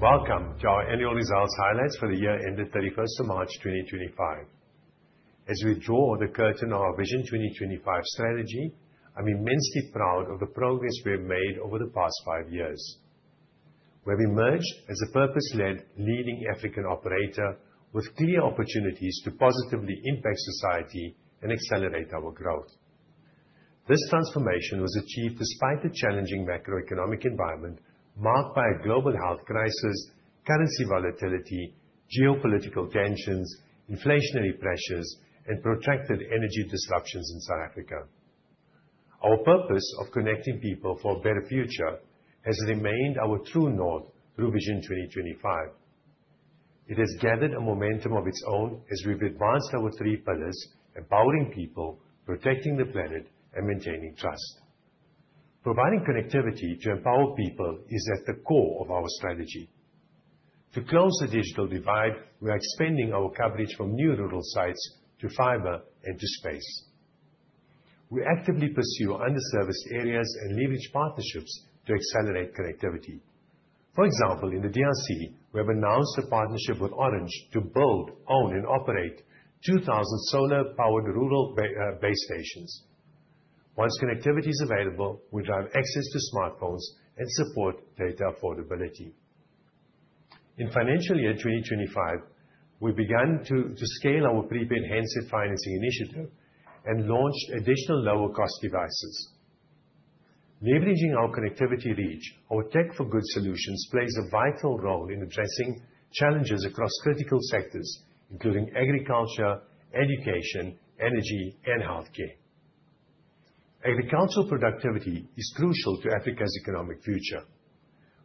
Welcome to our Annual Results Highlights for the year ended 31st March 2025. As we draw the curtain on our Vision 2025 strategy, I'm immensely proud of the progress we have made over the past five years. We have emerged as a purpose-led, leading African operator with clear opportunities to positively impact society and accelerate our growth. This transformation was achieved despite the challenging macroeconomic environment marked by a global health crisis, currency volatility, geopolitical tensions, inflationary pressures, and protracted energy disruptions in South Africa. Our purpose of connecting people for a better future has remained our true north through Vision 2025. It has gathered a momentum of its own as we've advanced our three pillars: empowering people, protecting the planet, and maintaining trust. Providing connectivity to empower people is at the core of our strategy. To close the digital divide, we are expanding our coverage from neural sites to fiber and to space. We actively pursue underserviced areas and leverage partnerships to accelerate connectivity. For example, in the DRC, we have announced a partnership with Orange to build, own, and operate 2,000 solar-powered rural base stations. Once connectivity is available, we drive access to smartphones and support data affordability. In financial year 2025, we began to scale our prepay enhanced financing initiative and launched additional lower-cost devices. Leveraging our connectivity reach, our tech-for-good solutions play a vital role in addressing challenges across critical sectors, including agriculture, education, energy, and healthcare. Agricultural productivity is crucial to Africa's economic future.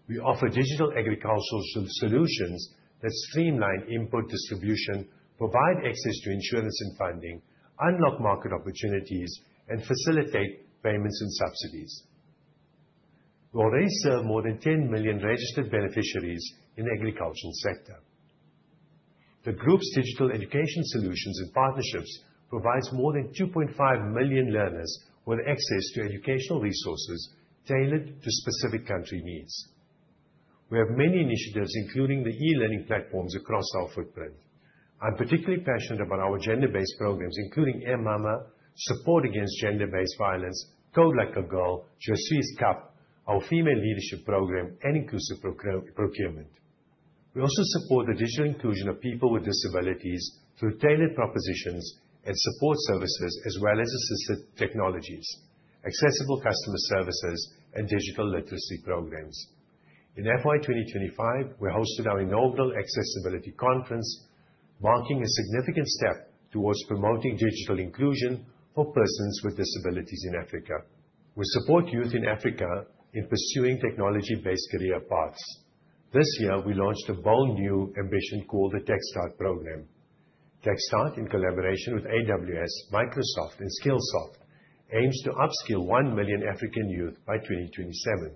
We offer digital agricultural solutions that streamline input distribution, provide access to insurance and funding, unlock market opportunities, and facilitate payments and subsidies. We already serve more than 10 million registered beneficiaries in the agricultural sector. The group's digital education solutions and partnerships provide more than 2.5 million learners with access to educational resources tailored to specific country needs. We have many initiatives, including the e-learning platforms across our footprint. I'm particularly passionate about our gender-based programs, including EMAMA, Support Against Gender-Based Violence, Code Like a Girl, Josué's Cup, our female leadership program, and inclusive procurement. We also support the digital inclusion of people with disabilities through tailored propositions and support services, as well as assistive technologies, accessible customer services, and digital literacy programs. In FY 2025, we hosted our inaugural accessibility conference, marking a significant step towards promoting digital inclusion for persons with disabilities in Africa. We support youth in Africa in pursuing technology-based career paths. This year, we launched a brand-new ambition called the TechStart program. TechStart, in collaboration with AWS, Microsoft, and Skillsoft, aims to upskill 1 million African youth by 2027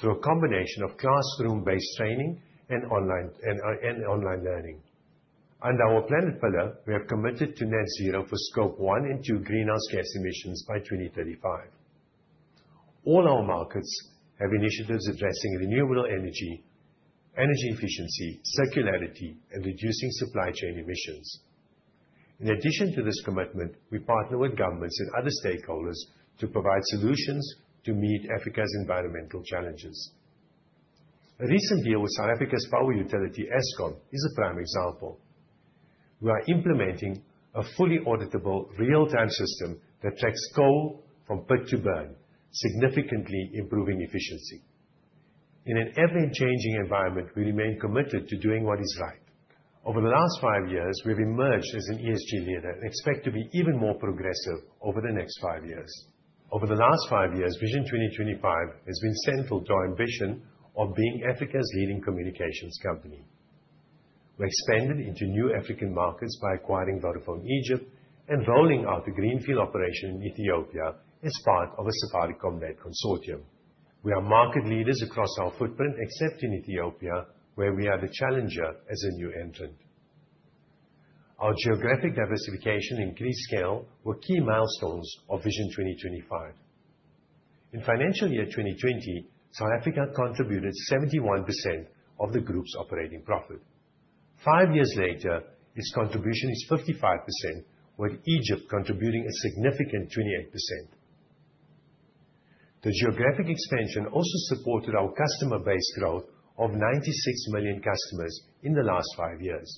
through a combination of classroom-based training and online learning. Under our planet pillar, we have committed to net zero for Scope 1 and 2 greenhouse gas emissions by 2035. All our markets have initiatives addressing renewable energy, energy efficiency, circularity, and reducing supply chain emissions. In addition to this commitment, we partner with governments and other stakeholders to provide solutions to meet Africa's environmental challenges. A recent deal with South Africa's power utility, Eskom, is a prime example. We are implementing a fully auditable real-time system that tracks coal from pit to burn, significantly improving efficiency. In an ever-changing environment, we remain committed to doing what is right. Over the last five years, we have emerged as an ESG leader and expect to be even more progressive over the next five years. Over the last five years, Vision 2025 has been central to our ambition of being Africa's leading communications company. We expanded into new African markets by acquiring Vodafone Egypt and rolling out a greenfield operation in Ethiopia as part of a Safaricom Lab consortium. We are market leaders across our footprint, except in Ethiopia, where we are the challenger as a new entrant. Our geographic diversification and increased scale were key milestones of Vision 2025. In financial year 2020, South Africa contributed 71% of the group's operating profit. Five years later, its contribution is 55%, with Egypt contributing a significant 28%. The geographic expansion also supported our customer-based growth of 96 million customers in the last five years.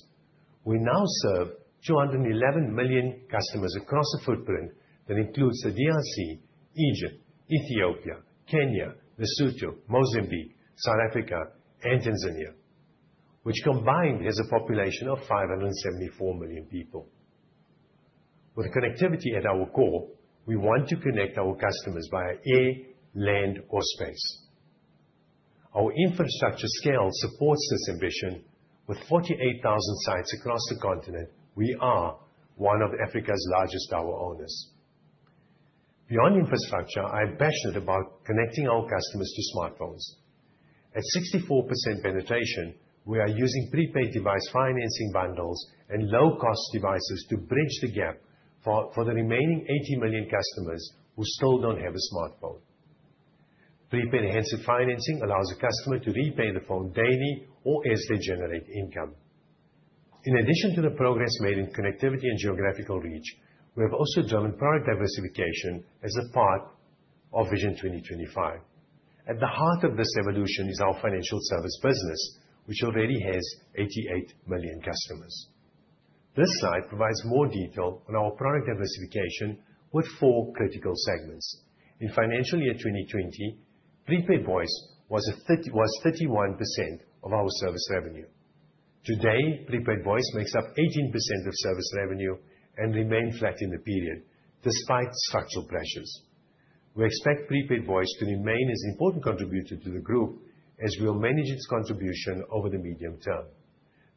We now serve 211 million customers across the footprint that includes the DRC, Egypt, Ethiopia, Kenya, Lesotho, Mozambique, South Africa, and Tanzania, which combined has a population of 574 million people. With connectivity at our core, we want to connect our customers via air, land, or space. Our infrastructure scale supports this ambition. With 48,000 sites across the continent, we are one of Africa's largest power owners. Beyond infrastructure, I am passionate about connecting our customers to smartphones. At 64% penetration, we are using prepay device financing bundles and low-cost devices to bridge the gap for the remaining 80 million customers who still don't have a smartphone. Prepay enhanced financing allows a customer to repay the phone daily or as they generate income. In addition to the progress made in connectivity and geographical reach, we have also driven product diversification as a part of Vision 2025. At the heart of this evolution is our financial service business, which already has 88 million customers. This slide provides more detail on our product diversification with four critical segments. In financial year 2020, prepay voice was 31% of our service revenue. Today, prepay voice makes up 18% of service revenue and remained flat in the period despite structural pressures. We expect prepay voice to remain as an important contributor to the group as we will manage its contribution over the medium term.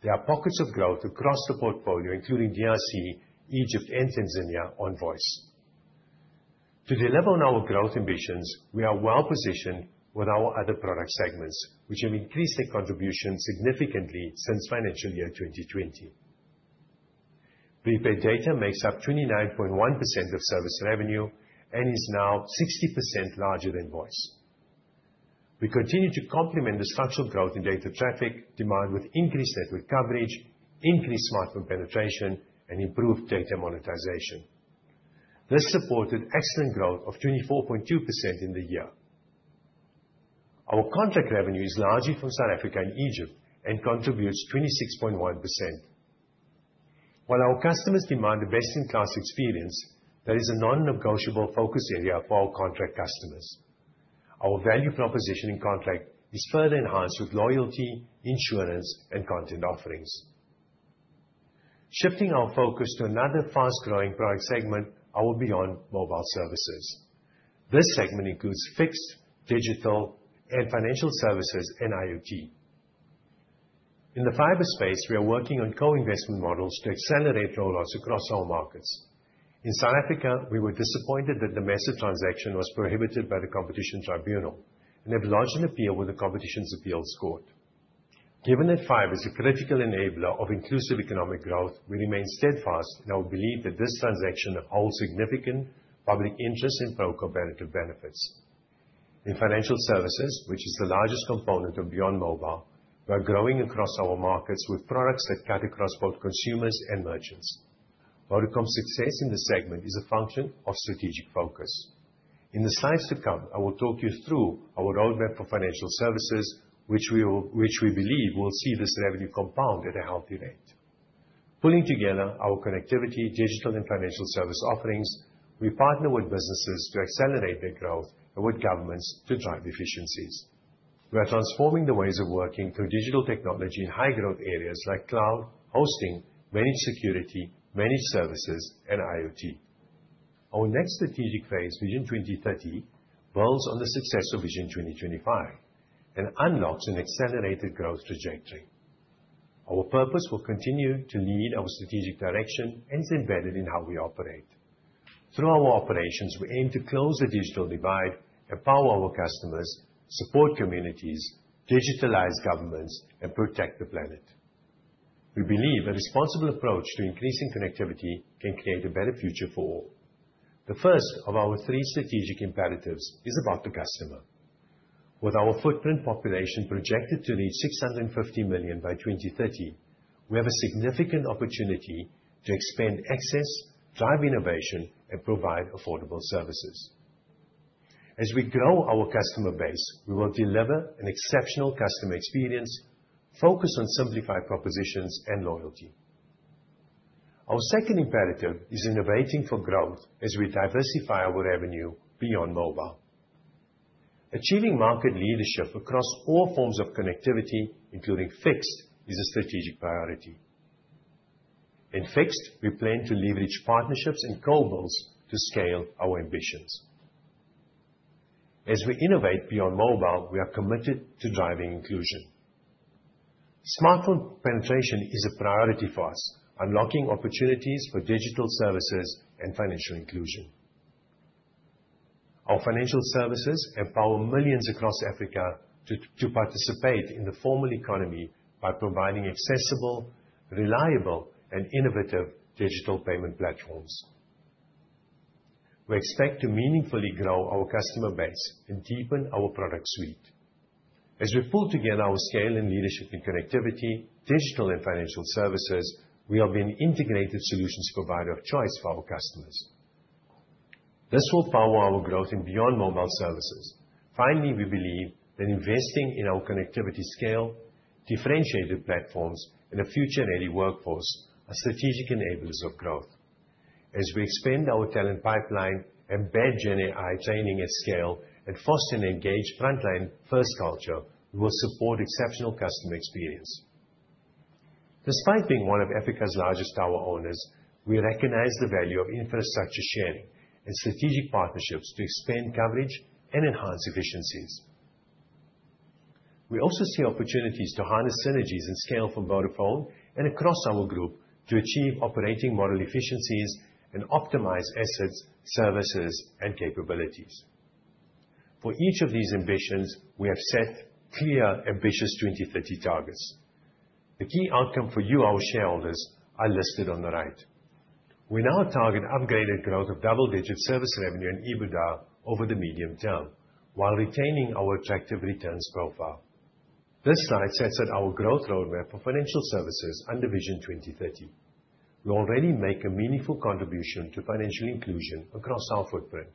There are pockets of growth across the portfolio, including DRC, Egypt, and Tanzania on voice. To deliver on our growth ambitions, we are well-positioned with our other product segments, which have increased their contribution significantly since financial year 2020. Prepay data makes up 29.1% of service revenue and is now 60% larger than voice. We continue to complement the structural growth in data traffic demand with increased network coverage, increased smartphone penetration, and improved data monetization. This supported excellent growth of 24.2% in the year. Our contract revenue is largely from South Africa and Egypt and contributes 26.1%. While our customers demand a best-in-class experience, there is a non-negotiable focus area for our contract customers. Our value proposition in contract is further enhanced with loyalty, insurance, and content offerings. Shifting our focus to another fast-growing product segment, our beyond mobile services. This segment includes fixed, digital, and financial services and IoT. In the fiber space, we are working on co-investment models to accelerate rollouts across our markets. In South Africa, we were disappointed that the massive transaction was prohibited by the competition tribunal and have largely appealed with the competition's appeals court. Given that fiber is a critical enabler of inclusive economic growth, we remain steadfast in our belief that this transaction holds significant public interest and pro-competitive benefits. In financial services, which is the largest component of beyond mobile, we are growing across our markets with products that cut across both consumers and merchants. Vodacom's success in this segment is a function of strategic focus. In the slides to come, I will talk you through our roadmap for financial services, which we believe will see this revenue compound at a healthy rate. Pulling together our connectivity, digital, and financial service offerings, we partner with businesses to accelerate their growth and with governments to drive efficiencies. We are transforming the ways of working through digital technology in high-growth areas like cloud hosting, managed security, managed services, and IoT. Our next strategic phase, Vision 2030, builds on the success of Vision 2025 and unlocks an accelerated growth trajectory. Our purpose will continue to lead our strategic direction and is embedded in how we operate. Through our operations, we aim to close the digital divide, empower our customers, support communities, digitalize governments, and protect the planet. We believe a responsible approach to increasing connectivity can create a better future for all. The first of our three strategic imperatives is about the customer. With our footprint population projected to reach 650 million by 2030, we have a significant opportunity to expand access, drive innovation, and provide affordable services. As we grow our customer base, we will deliver an exceptional customer experience, focus on simplified propositions, and loyalty. Our second imperative is innovating for growth as we diversify our revenue beyond mobile. Achieving market leadership across all forms of connectivity, including fixed, is a strategic priority. In fixed, we plan to leverage partnerships and colts to scale our ambitions. As we innovate beyond mobile, we are committed to driving inclusion. Smartphone penetration is a priority for us, unlocking opportunities for digital services and financial inclusion. Our financial services empower millions across Africa to participate in the formal economy by providing accessible, reliable, and innovative digital payment platforms. We expect to meaningfully grow our customer base and deepen our product suite. As we pull together our scale and leadership in connectivity, digital, and financial services, we are being integrated solutions provider of choice for our customers. This will power our growth in beyond mobile services. Finally, we believe that investing in our connectivity scale, differentiated platforms, and a future-ready workforce are strategic enablers of growth. As we expand our talent pipeline, embed GenAI training at scale, and foster an engaged frontline-first culture, we will support exceptional customer experience. Despite being one of Africa's largest power owners, we recognize the value of infrastructure sharing and strategic partnerships to expand coverage and enhance efficiencies. We also see opportunities to harness synergies and scale from Vodafone and across our group to achieve operating model efficiencies and optimize assets, services, and capabilities. For each of these ambitions, we have set clear, ambitious 2030 targets. The key outcome for you, our shareholders, are listed on the right. We now target upgraded growth of double-digit service revenue and EBITDA over the medium term while retaining our attractive returns profile. This slide sets out our growth roadmap for financial services under Vision 2030. We already make a meaningful contribution to financial inclusion across our footprint.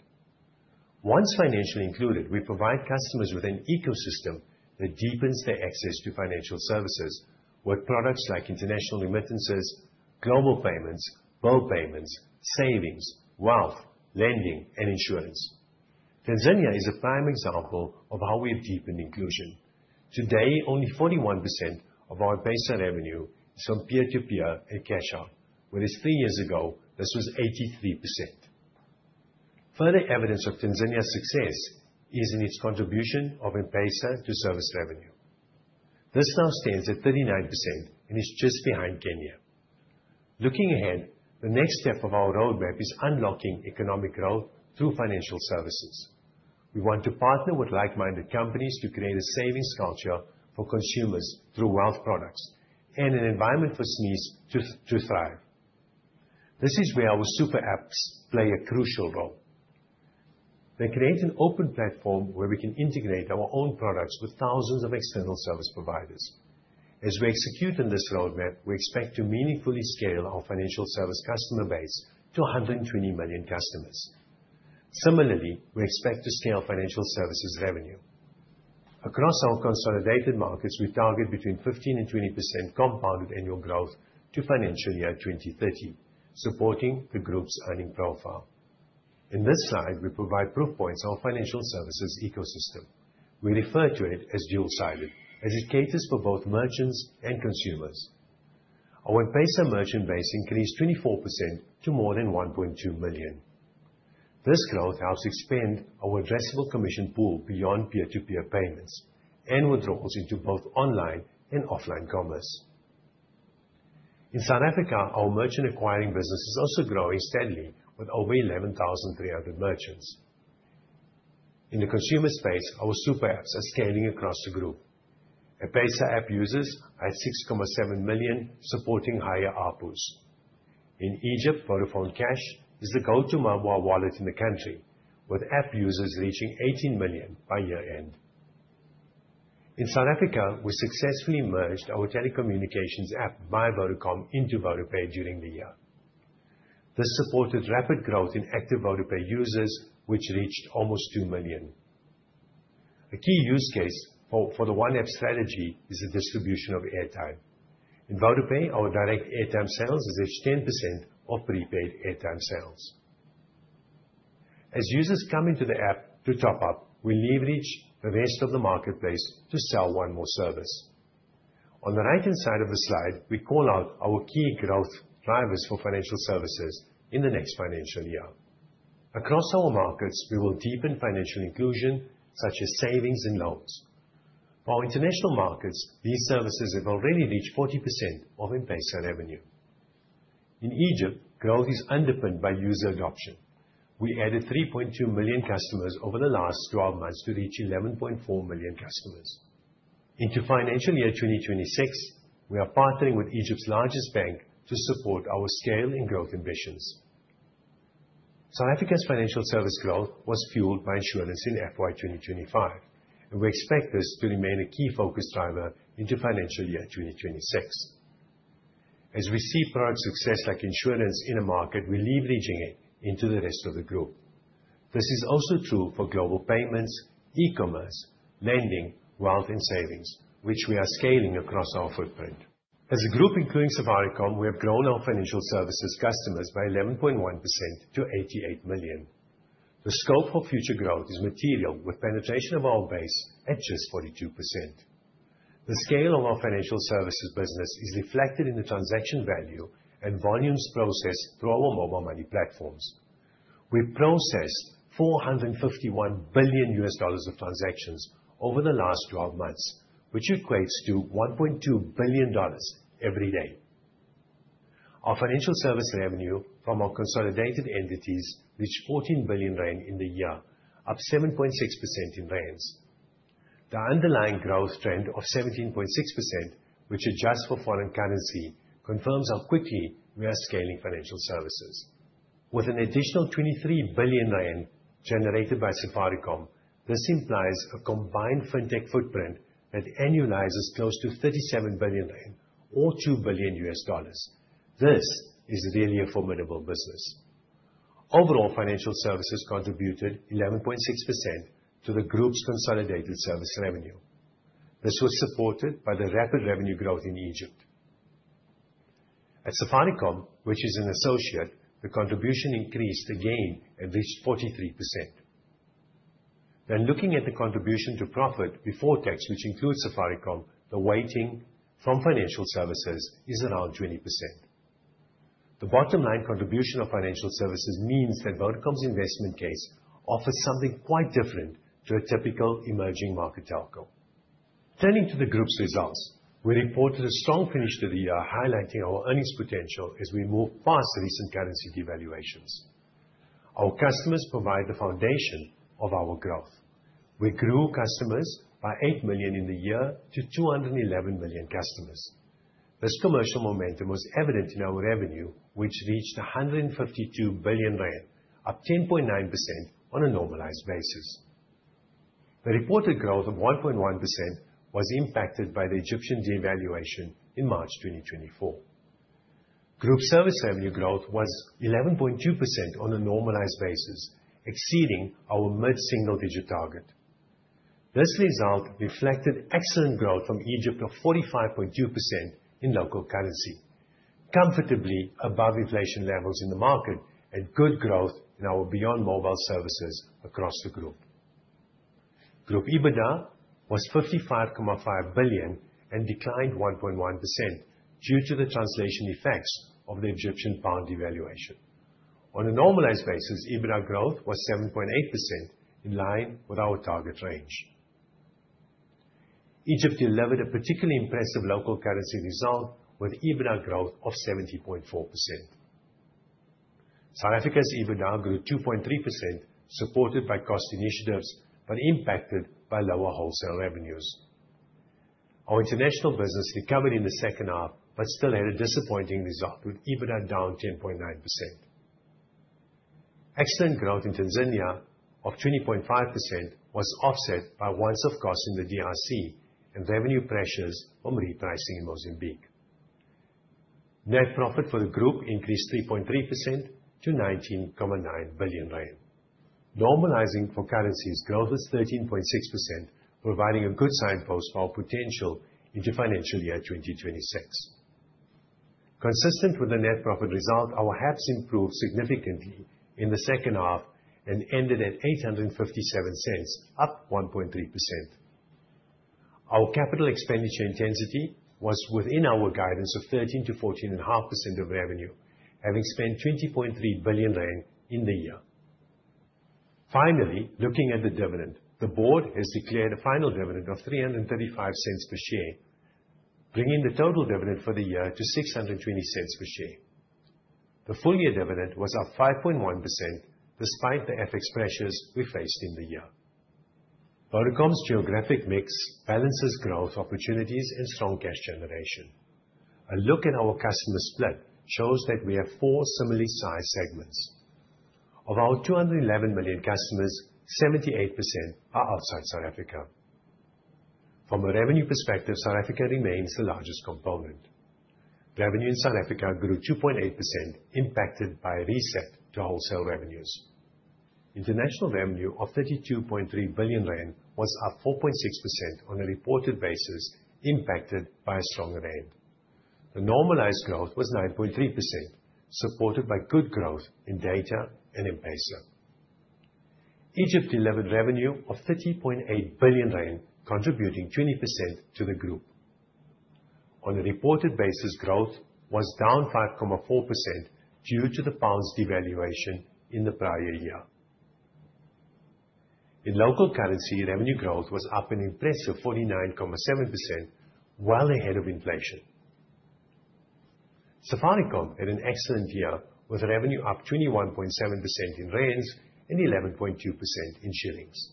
Once financially included, we provide customers with an ecosystem that deepens their access to financial services with products like international remittances, global payments, both payments, savings, wealth, lending, and insurance. Tanzania is a prime example of how we have deepened inclusion. Today, only 41% of our M-Pesa revenue is from peer-to-peer and cash-out, whereas three years ago, this was 83%. Further evidence of Tanzania's success is in its contribution of M-Pesa to service revenue. This now stands at 39% and is just behind Kenya. Looking ahead, the next step of our roadmap is unlocking economic growth through financial services. We want to partner with like-minded companies to create a savings culture for consumers through wealth products and an environment for SMEs to thrive. This is where our super apps play a crucial role. They create an open platform where we can integrate our own products with thousands of external service providers. As we execute on this roadmap, we expect to meaningfully scale our financial service customer base to 120 million customers. Similarly, we expect to scale financial services revenue. Across our consolidated markets, we target between 15%-20% compounded annual growth to financial year 2030, supporting the group's earning profile. In this slide, we provide proof points of our financial services ecosystem. We refer to it as dual-sided as it caters for both merchants and consumers. Our M-Pesa merchant base increased 24% to more than 1.2 million. This growth helps expand our addressable commission pool beyond peer-to-peer payments and withdrawals into both online and offline commerce. In South Africa, our merchant acquiring business is also growing steadily with over 11,300 merchants. In the consumer space, our super apps are scaling across the group. M-Pesa app users are at 6.7 million, supporting higher outputs. In Egypt, Vodafone Cash is the go-to mobile wallet in the country, with app users reaching 18 million by year-end. In South Africa, we successfully merged our telecommunications app by Vodacom into VodaPay during the year. This supported rapid growth in active VodaPay users, which reached almost 2 million. A key use case for the One App strategy is the distribution of airtime. In VodaPay, our direct airtime sales is at 10% of prepaid airtime sales. As users come into the app to top up, we leverage the rest of the marketplace to sell one more service. On the right-hand side of the slide, we call out our key growth drivers for financial services in the next financial year. Across our markets, we will deepen financial inclusion, such as savings and loans. For our international markets, these services have already reached 40% of M-Pesa revenue. In Egypt, growth is underpinned by user adoption. We added 3.2 million customers over the last 12 months to reach 11.4 million customers. Into financial year 2026, we are partnering with Egypt's largest bank to support our scale and growth ambitions. South Africa's financial service growth was fueled by insurance in financial year 2025, and we expect this to remain a key focus driver into financial year 2026. As we see product success like insurance in a market, we're leveraging it into the rest of the group. This is also true for global payments, e-commerce, lending, wealth, and savings, which we are scaling across our footprint. As a group including Safaricom, we have grown our financial services customers by 11.1% to 88 million. The scope for future growth is material with penetration of our base at just 42%. The scale of our financial services business is reflected in the transaction value and volumes processed through our mobile money platforms. We processed $451 billion of transactions over the last 12 months, which equates to $1.2 billion every day. Our financial service revenue from our consolidated entities reached 14 billion rand in the year, up 7.6% in rands. The underlying growth trend of 17.6%, which adjusts for foreign currency, confirms how quickly we are scaling financial services. With an additional 23 billion rand generated by Safaricom, this implies a combined fintech footprint that annualizes close to 37 billion rand, or $2 billion. This is really a formidable business. Overall, financial services contributed 11.6% to the group's consolidated service revenue. This was supported by the rapid revenue growth in Egypt. At Safaricom, which is an associate, the contribution increased again and reached 43%. Looking at the contribution to profit before tax, which includes Safaricom, the weighting from financial services is around 20%. The bottom-line contribution of financial services means that Vodacom's investment case offers something quite different to a typical emerging market telco. Turning to the group's results, we reported a strong finish to the year, highlighting our earnings potential as we move past recent currency devaluations. Our customers provide the foundation of our growth. We grew customers by 8 million in the year to 211 million customers. This commercial momentum was evident in our revenue, which reached 152 billion rand, up 10.9% on a normalized basis. The reported growth of 1.1% was impacted by the Egyptian devaluation in March 2024. Group service revenue growth was 11.2% on a normalized basis, exceeding our mid-single-digit target. This result reflected excellent growth from Egypt of 45.2% in local currency, comfortably above inflation levels in the market and good growth in our beyond mobile services across the group. Group EBITDA was 55.5 billion and declined 1.1% due to the translation effects of the Egyptian pound devaluation. On a normalized basis, EBITDA growth was 7.8%, in line with our target range. Egypt delivered a particularly impressive local currency result, with EBITDA growth of 70.4%. South Africa's EBITDA grew 2.3%, supported by cost initiatives but impacted by lower wholesale revenues. Our international business recovered in the second half but still had a disappointing result, with EBITDA down 10.9%. Excellent growth in Tanzania of 20.5% was offset by winds of cost in the DRC and revenue pressures from repricing in Mozambique. Net profit for the group increased 3.3% to 19.9 billion rand, normalizing for currencies. Growth was 13.6%, providing a good signpost for our potential into financial year 2026. Consistent with the net profit result, our HEPS improved significantly in the second half and ended at 857 cents, up 1.3%. Our capital expenditure intensity was within our guidance of 13%-14.5% of revenue, having spent 20.3 billion rand in the year. Finally, looking at the dividend, the board has declared a final dividend of 3.35 per share, bringing the total dividend for the year to 6.20 per share. The full-year dividend was up 5.1%, despite the FX pressures we faced in the year. Vodacom's geographic mix balances growth opportunities and strong cash generation. A look at our customer split shows that we have four similarly sized segments. Of our 211 million customers, 78% are outside South Africa. From a revenue perspective, South Africa remains the largest component. Revenue in South Africa grew 2.8%, impacted by a reset to wholesale revenues. International revenue of 32.3 billion rand was up 4.6% on a reported basis, impacted by a strong rand. The normalized growth was 9.3%, supported by good growth in data and M-Pesa. Egypt delivered revenue of 30.8 billion rand, contributing 20% to the group. On a reported basis, growth was down 5.4% due to the pound's devaluation in the prior year. In local currency, revenue growth was up an impressive 49.7%, well ahead of inflation. Safaricom had an excellent year, with revenue up 21.7% in rand and 11.2% in shillings.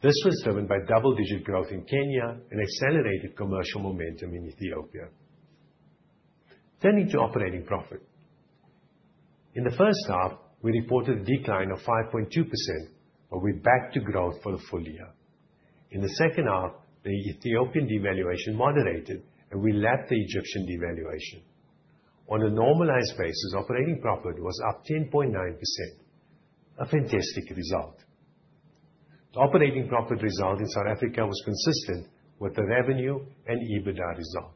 This was driven by double-digit growth in Kenya and accelerated commercial momentum in Ethiopia. Turning to operating profit. In the first half, we reported a decline of 5.2%, but we are back to growth for the full year. In the second half, the Ethiopian devaluation moderated, and we lapped the Egyptian devaluation. On a normalized basis, operating profit was up 10.9%, a fantastic result. The operating profit result in South Africa was consistent with the revenue and EBITDA result.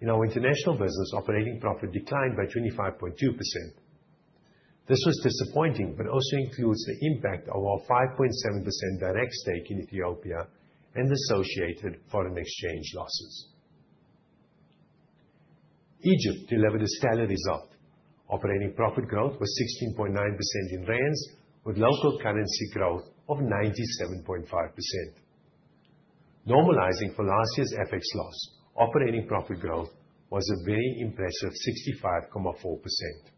In our international business, operating profit declined by 25.2%. This was disappointing but also includes the impact of our 5.7% direct stake in Ethiopia and associated foreign exchange losses. Egypt delivered a stellar result. Operating profit growth was 16.9% in ZAR, with local currency growth of 97.5%. Normalizing for last year's FX loss, operating profit growth was a very impressive 65.4%.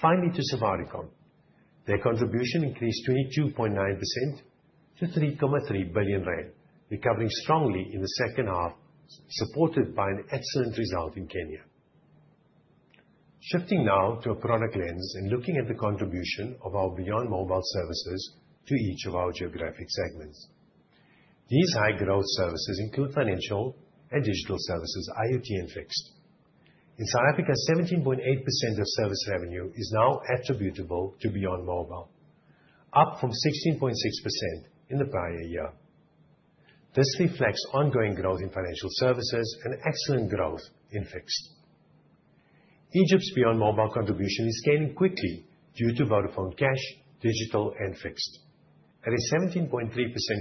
Finally, to Safaricom. Their contribution increased 22.9% to 3.3 billion rand, recovering strongly in the second half, supported by an excellent result in Kenya. Shifting now to a product lens and looking at the contribution of our beyond mobile services to each of our geographic segments. These high-growth services include financial and digital services, IoT and fixed. In South Africa, 17.8% of service revenue is now attributable to beyond mobile, up from 16.6% in the prior year. This reflects ongoing growth in financial services and excellent growth in fixed. Egypt's beyond mobile contribution is scaling quickly due to Vodafone Cash, digital, and fixed. At a 17.3%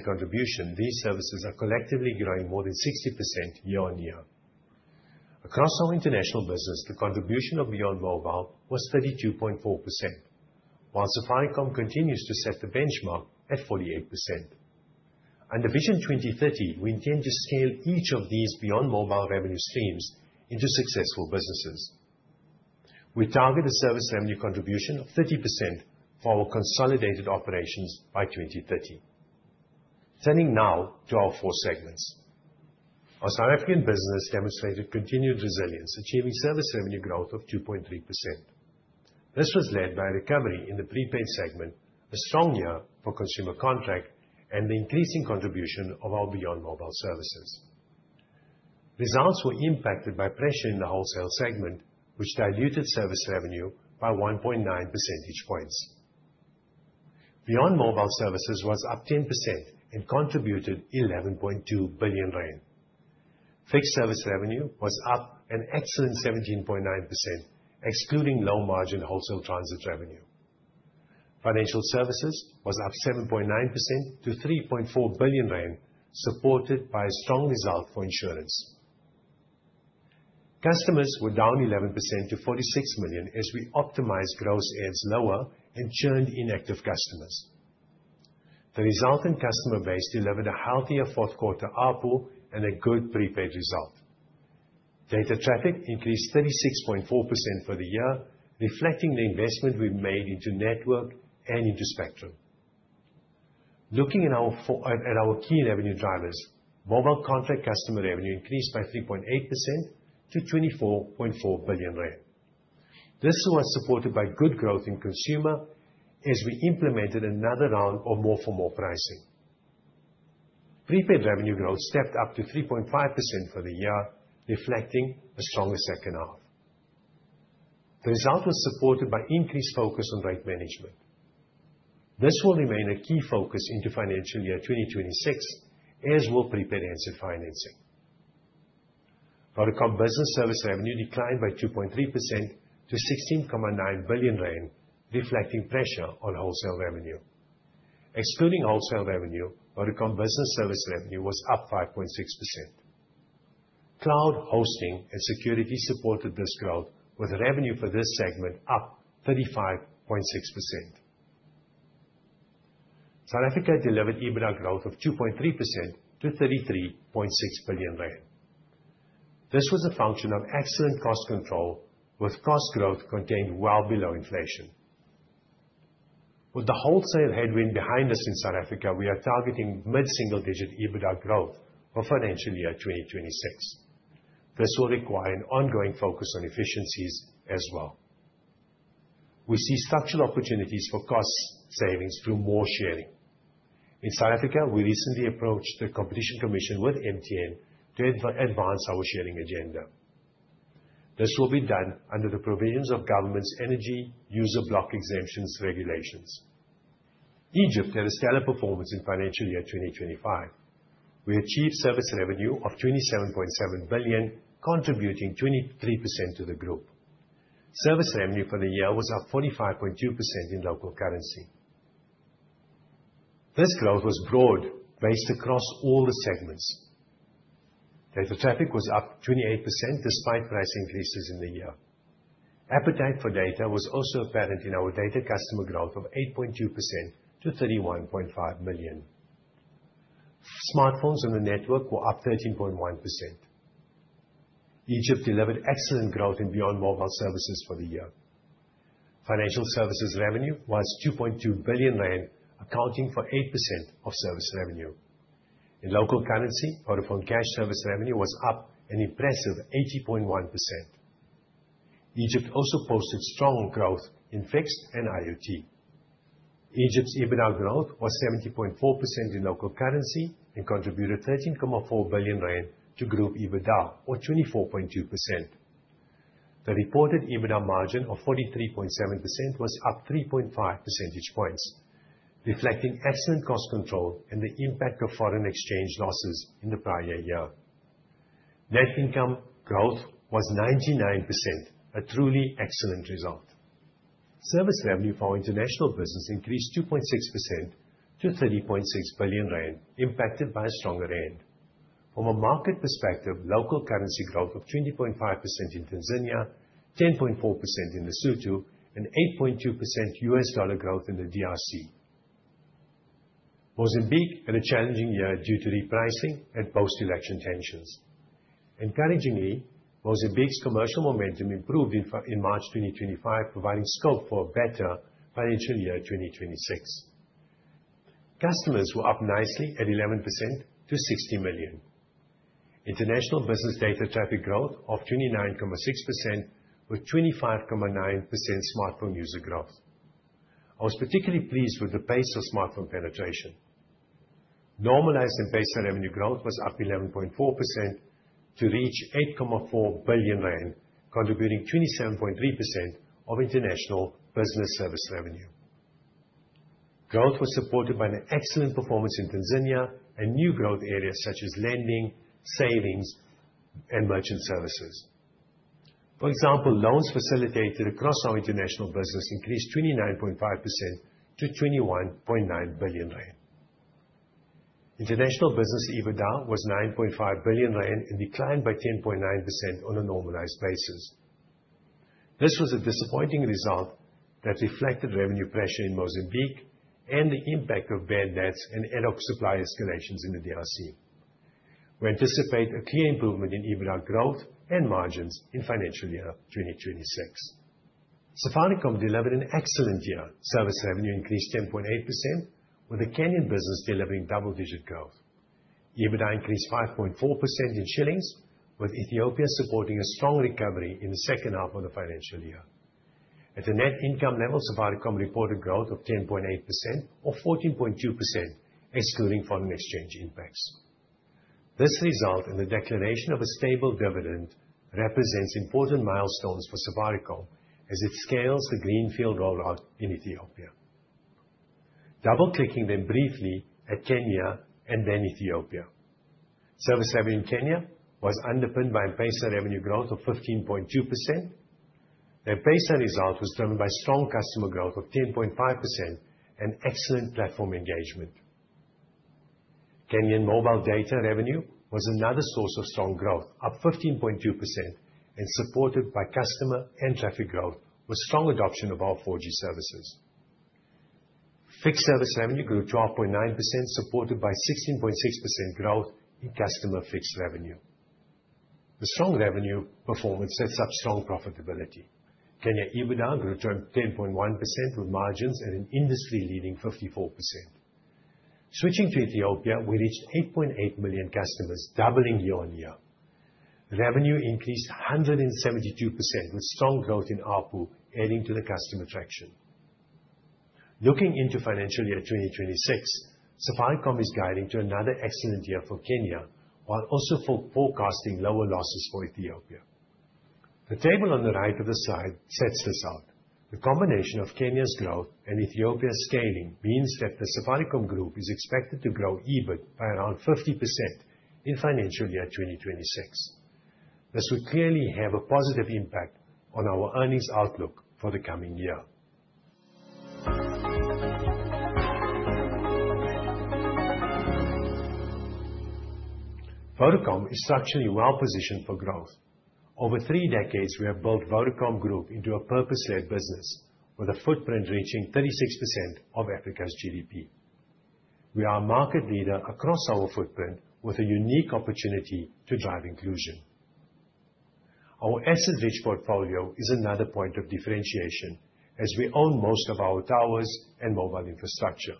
contribution, these services are collectively growing more than 60% year on year. Across our international business, the contribution of beyond mobile was 32.4%, while Safaricom continues to set the benchmark at 48%. Under Vision 2030, we intend to scale each of these beyond mobile revenue streams into successful businesses. We target a service revenue contribution of 30% for our consolidated operations by 2030. Turning now to our four segments. Our South African business demonstrated continued resilience, achieving service revenue growth of 2.3%. This was led by a recovery in the prepaid segment, a strong year for consumer contract, and the increasing contribution of our beyond mobile services. Results were impacted by pressure in the wholesale segment, which diluted service revenue by 1.9 percentage points. Beyond mobile services was up 10% and contributed 11.2 billion rand. Fixed service revenue was up an excellent 17.9%, excluding low-margin wholesale transit revenue. Financial services was up 7.9% to 3.4 billion rand, supported by a strong result for insurance. Customers were down 11% to 46 million as we optimized gross ads lower and churned inactive customers. The resultant customer base delivered a healthier fourth-quarter output and a good prepaid result. Data traffic increased 36.4% for the year, reflecting the investment we made into network and into spectrum. Looking at our key revenue drivers, mobile contract customer revenue increased by 3.8% to 24.4 billion rand. This was supported by good growth in consumer as we implemented another round of more-for-more pricing. Prepaid revenue growth stepped up to 3.5% for the year, reflecting a stronger second half. The result was supported by increased focus on rate management. This will remain a key focus into financial year 2026, as will prepaid handset financing. Vodacom business service revenue declined by 2.3% to 16.9 billion rand, reflecting pressure on wholesale revenue. Excluding wholesale revenue, Vodacom business service revenue was up 5.6%. Cloud, hosting, and security supported this growth, with revenue for this segment up 35.6%. South Africa delivered EBITDA growth of 2.3% to 33.6 billion rand. This was a function of excellent cost control, with cost growth contained well below inflation. With the wholesale headwind behind us in South Africa, we are targeting mid-single-digit EBITDA growth for financial year 2026. This will require an ongoing focus on efficiencies as well. We see structural opportunities for cost savings through more sharing. In South Africa, we recently approached the Competition Commission with MTN to advance our sharing agenda. This will be done under the provisions of government's energy user block exemptions regulations. Egypt had a stellar performance in financial year 2025. We achieved service revenue of 27.7 billion, contributing 23% to the group. Service revenue for the year was up 45.2% in local currency. This growth was broad, based across all the segments. Data traffic was up 28% despite price increases in the year. Appetite for data was also apparent in our data customer growth of 8.2% to 31.5 million. Smartphones on the network were up 13.1%. Egypt delivered excellent growth in beyond mobile services for the year. Financial services revenue was 2.2 billion rand, accounting for 8% of service revenue. In local currency, Vodafone Cash service revenue was up an impressive 80.1%. Egypt also posted strong growth in fixed and IoT. Egypt's EBITDA growth was 70.4% in local currency and contributed 13.4 billion rand to group EBITDA, or 24.2%. The reported EBITDA margin of 43.7% was up 3.5 percentage points, reflecting excellent cost control and the impact of foreign exchange losses in the prior year. Net income growth was 99%, a truly excellent result. Service revenue for our international business increased 2.6% to 30.6 billion rand, impacted by a stronger rand. From a market perspective, local currency growth of 20.5% in Tanzania, 10.4% in Lesotho, and 8.2% U.S. dollar growth in the DRC. Mozambique had a challenging year due to repricing and post-election tensions. Encouragingly, Mozambique's commercial momentum improved in March 2025, providing scope for a better financial year 2026. Customers were up nicely at 11% to 60 million. International business data traffic growth of 29.6% with 25.9% smartphone user growth. I was particularly pleased with the pace of smartphone penetration. Normalized M-Pesa revenue growth was up 11.4% to reach 8.4 billion rand, contributing 27.3% of international business service revenue. Growth was supported by an excellent performance in Tanzania and new growth areas such as lending, savings, and merchant services. For example, loans facilitated across our international business increased 29.5% to 21.9 billion rand. International business EBITDA was 9.5 billion rand and declined by 10.9% on a normalized basis. This was a disappointing result that reflected revenue pressure in Mozambique and the impact of band-aids and ad hoc supply escalations in the DRC. We anticipate a clear improvement in EBITDA growth and margins in financial year 2026. Safaricom delivered an excellent year. Service revenue increased 10.8%, with the Kenyan business delivering double-digit growth. EBITDA increased 5.4% in shillings, with Ethiopia supporting a strong recovery in the second half of the financial year. At a net income level, Safaricom reported growth of 10.8%, or 14.2%, excluding foreign exchange impacts. This result and the declaration of a stable dividend represents important milestones for Safaricom as it scales the greenfield rollout in Ethiopia. Double-clicking them briefly at Kenya and then Ethiopia. Service revenue in Kenya was underpinned by M-Pesa revenue growth of 15.2%. The M-Pesa result was driven by strong customer growth of 10.5% and excellent platform engagement. Kenyan mobile data revenue was another source of strong growth, up 15.2% and supported by customer and traffic growth with strong adoption of our 4G services. Fixed service revenue grew 12.9%, supported by 16.6% growth in customer fixed revenue. The strong revenue performance sets up strong profitability. Kenya EBITDA grew 10.1% with margins at an industry-leading 54%. Switching to Ethiopia, we reached 8.8 million customers, doubling year on year. Revenue increased 172% with strong growth in ARPU, adding to the customer traction. Looking into financial year 2026, Safaricom is guiding to another excellent year for Kenya, while also forecasting lower losses for Ethiopia. The table on the right of the slide sets this out. The combination of Kenya's growth and Ethiopia's scaling means that the Safaricom group is expected to grow EBIT by around 50% in financial year 2026. This will clearly have a positive impact on our earnings outlook for the coming year. Vodacom is structurally well-positioned for growth. Over three decades, we have built Vodacom Group into a purpose-led business, with a footprint reaching 36% of Africa's GDP. We are a market leader across our footprint, with a unique opportunity to drive inclusion. Our asset-rich portfolio is another point of differentiation, as we own most of our towers and mobile infrastructure.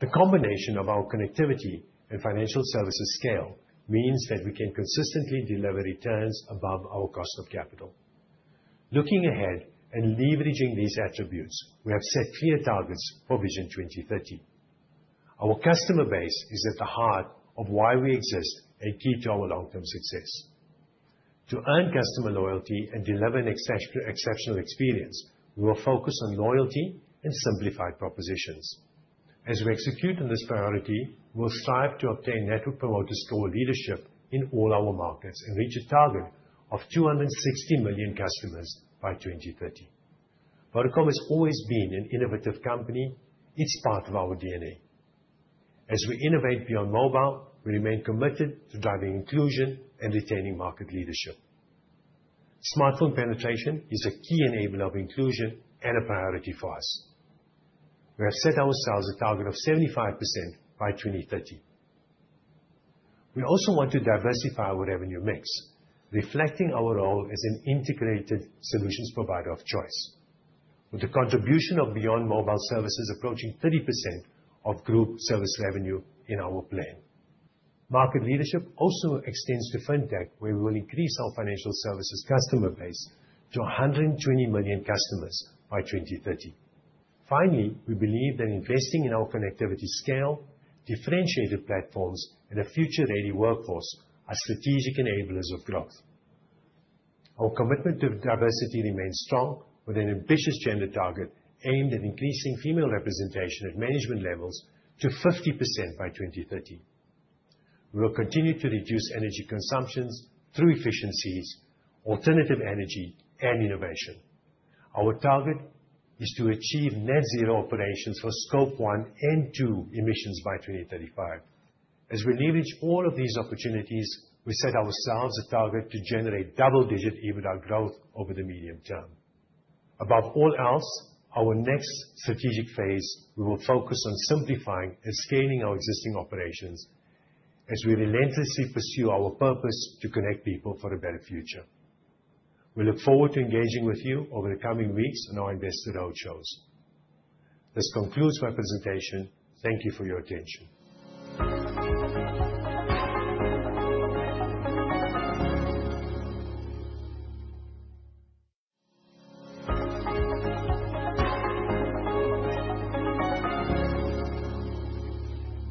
The combination of our connectivity and financial services scale means that we can consistently deliver returns above our cost of capital. Looking ahead and leveraging these attributes, we have set clear targets for Vision 2030. Our customer base is at the heart of why we exist and key to our long-term success. To earn customer loyalty and deliver an exceptional experience, we will focus on loyalty and simplified propositions. As we execute on this priority, we will strive to obtain network promoters' core leadership in all our markets and reach a target of 260 million customers by 2030. Vodacom has always been an innovative company; it's part of our DNA. As we innovate beyond mobile, we remain committed to driving inclusion and retaining market leadership. Smartphone penetration is a key enabler of inclusion and a priority for us. We have set ourselves a target of 75% by 2030. We also want to diversify our revenue mix, reflecting our role as an integrated solutions provider of choice, with the contribution of beyond mobile services approaching 30% of group service revenue in our plan. Market leadership also extends to fintech, where we will increase our financial services customer base to 120 million customers by 2030. Finally, we believe that investing in our connectivity scale, differentiated platforms, and a future-ready workforce are strategic enablers of growth. Our commitment to diversity remains strong, with an ambitious gender target aimed at increasing female representation at management levels to 50% by 2030. We will continue to reduce energy consumption through efficiencies, alternative energy, and innovation. Our target is to achieve net zero operations for Scope 1 and 2 emissions by 2035. As we leverage all of these opportunities, we set ourselves a target to generate double-digit EBITDA growth over the medium term. Above all else, our next strategic phase will focus on simplifying and scaling our existing operations as we relentlessly pursue our purpose to connect people for a better future. We look forward to engaging with you over the coming weeks on our investor roadshows. This concludes my presentation. Thank you for your attention.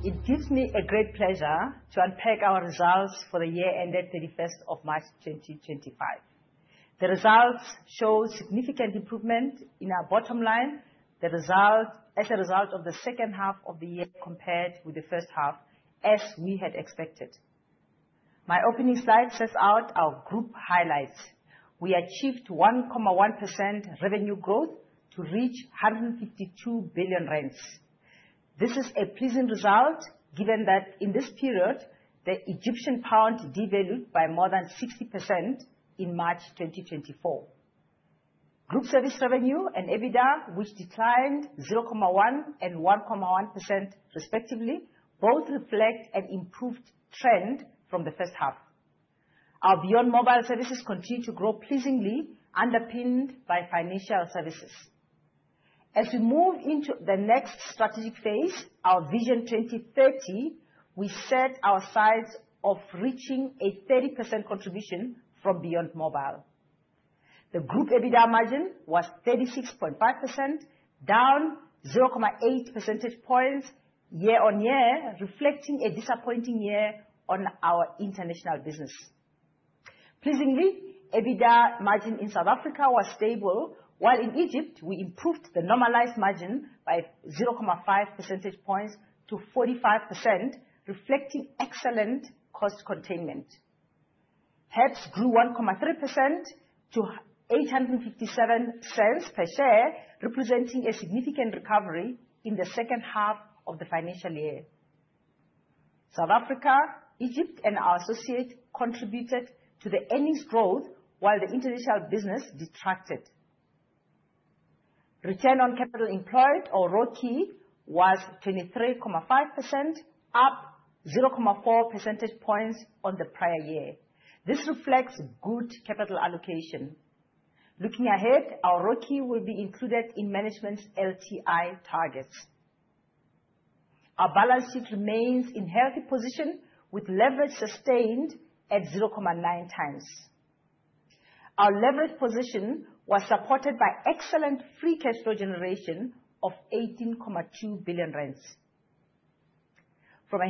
It gives me great pleasure to unpack our results for the year-ended 31st of March 2025. The results show significant improvement in our bottom line, the result of the second half of the year compared with the first half, as we had expected. My opening slide sets out our group highlights. We achieved 1.1% revenue growth to reach 152 billion rand. This is a pleasing result, given that in this period, the Egyptian pound devalued by more than 60% in March 2024. Group service revenue and EBITDA, which declined 0.1% and 1.1% respectively, both reflect an improved trend from the first half. Our beyond mobile services continue to grow pleasingly, underpinned by financial services. As we move into the next strategic phase, our Vision 2030, we set our sights on reaching a 30% contribution from beyond mobile. The group EBITDA margin was 36.5%, down 0.8 percentage points year on year, reflecting a disappointing year on our international business. Pleasingly, EBITDA margin in South Africa was stable, while in Egypt, we improved the normalized margin by 0.5 percentage points to 45%, reflecting excellent cost containment. HEPS grew 1.3% to 857 cents per share, representing a significant recovery in the second half of the financial year. South Africa, Egypt, and our associates contributed to the earnings growth, while the international business detracted. Return on capital employed, or ROI, was 23.5%, up 0.4 percentage points on the prior year. This reflects good capital allocation. Looking ahead, our ROI will be included in management's LTI targets. Our balance sheet remains in a healthy position, with leverage sustained at 0.9 times. Our leverage position was supported by excellent free cash flow generation of 18.2 billion rand. From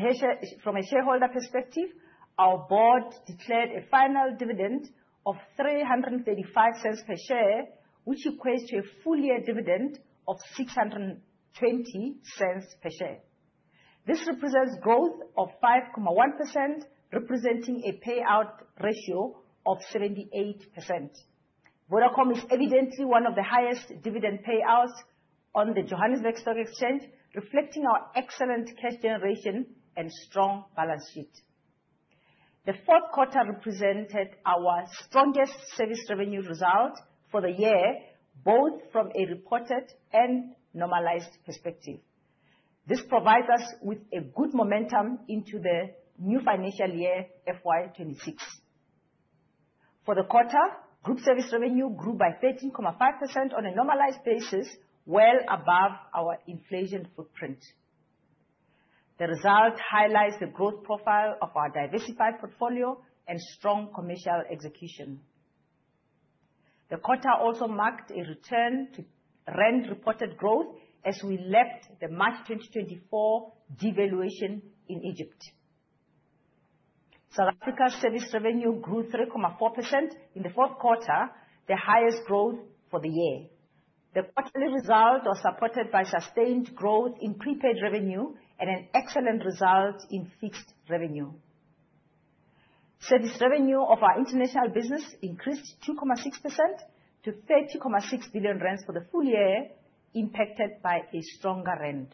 a shareholder perspective, our board declared a final dividend of 3.35 per share, which equates to a full-year dividend of 6.20 per share. This represents a growth of 5.1%, representing a payout ratio of 78%. Vodacom is evidently one of the highest dividend payouts on the Johannesburg Stock Exchange, reflecting our excellent cash generation and strong balance sheet. The fourth quarter represented our strongest service revenue result for the year, both from a reported and normalized perspective. This provides us with good momentum into the new financial year, FY26. For the quarter, group service revenue grew by 13.5% on a normalized basis, well above our inflation footprint. The result highlights the growth profile of our diversified portfolio and strong commercial execution. The quarter also marked a return to rand reported growth as we left the March 2024 devaluation in Egypt. South Africa's service revenue grew 3.4% in the fourth quarter, the highest growth for the year. The quarterly result was supported by sustained growth in prepaid revenue and an excellent result in fixed revenue. Service revenue of our international business increased 2.6% to 30.6 billion rand for the full year, impacted by a stronger rand.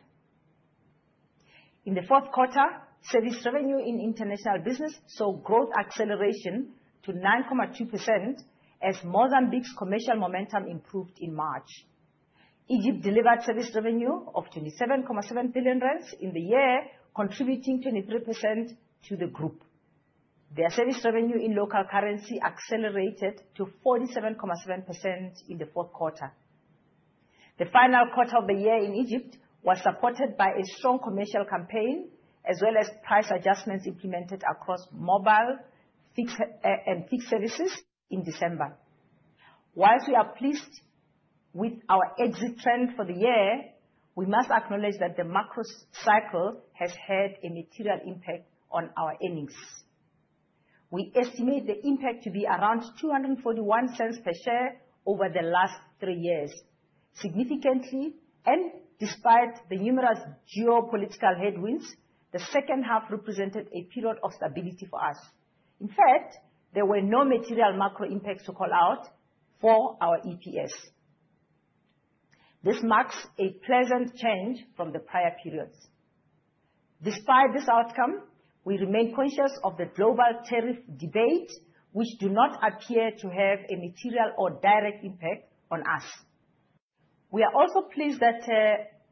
In the fourth quarter, service revenue in international business saw growth acceleration to 9.2% as Mozambique's commercial momentum improved in March. Egypt delivered service revenue of 27.7 billion rand in the year, contributing 23% to the group. Their service revenue in local currency accelerated to 47.7% in the fourth quarter. The final quarter of the year in Egypt was supported by a strong commercial campaign, as well as price adjustments implemented across mobile and fixed services in December. While we are pleased with our exit trend for the year, we must acknowledge that the macro cycle has had a material impact on our earnings. We estimate the impact to be around 2.41 per share over the last three years. Significantly, and despite the numerous geopolitical headwinds, the second half represented a period of stability for us. In fact, there were no material macro impacts to call out for our EPS. This marks a pleasant change from the prior periods. Despite this outcome, we remain conscious of the global tariff debate, which does not appear to have a material or direct impact on us. We are also pleased that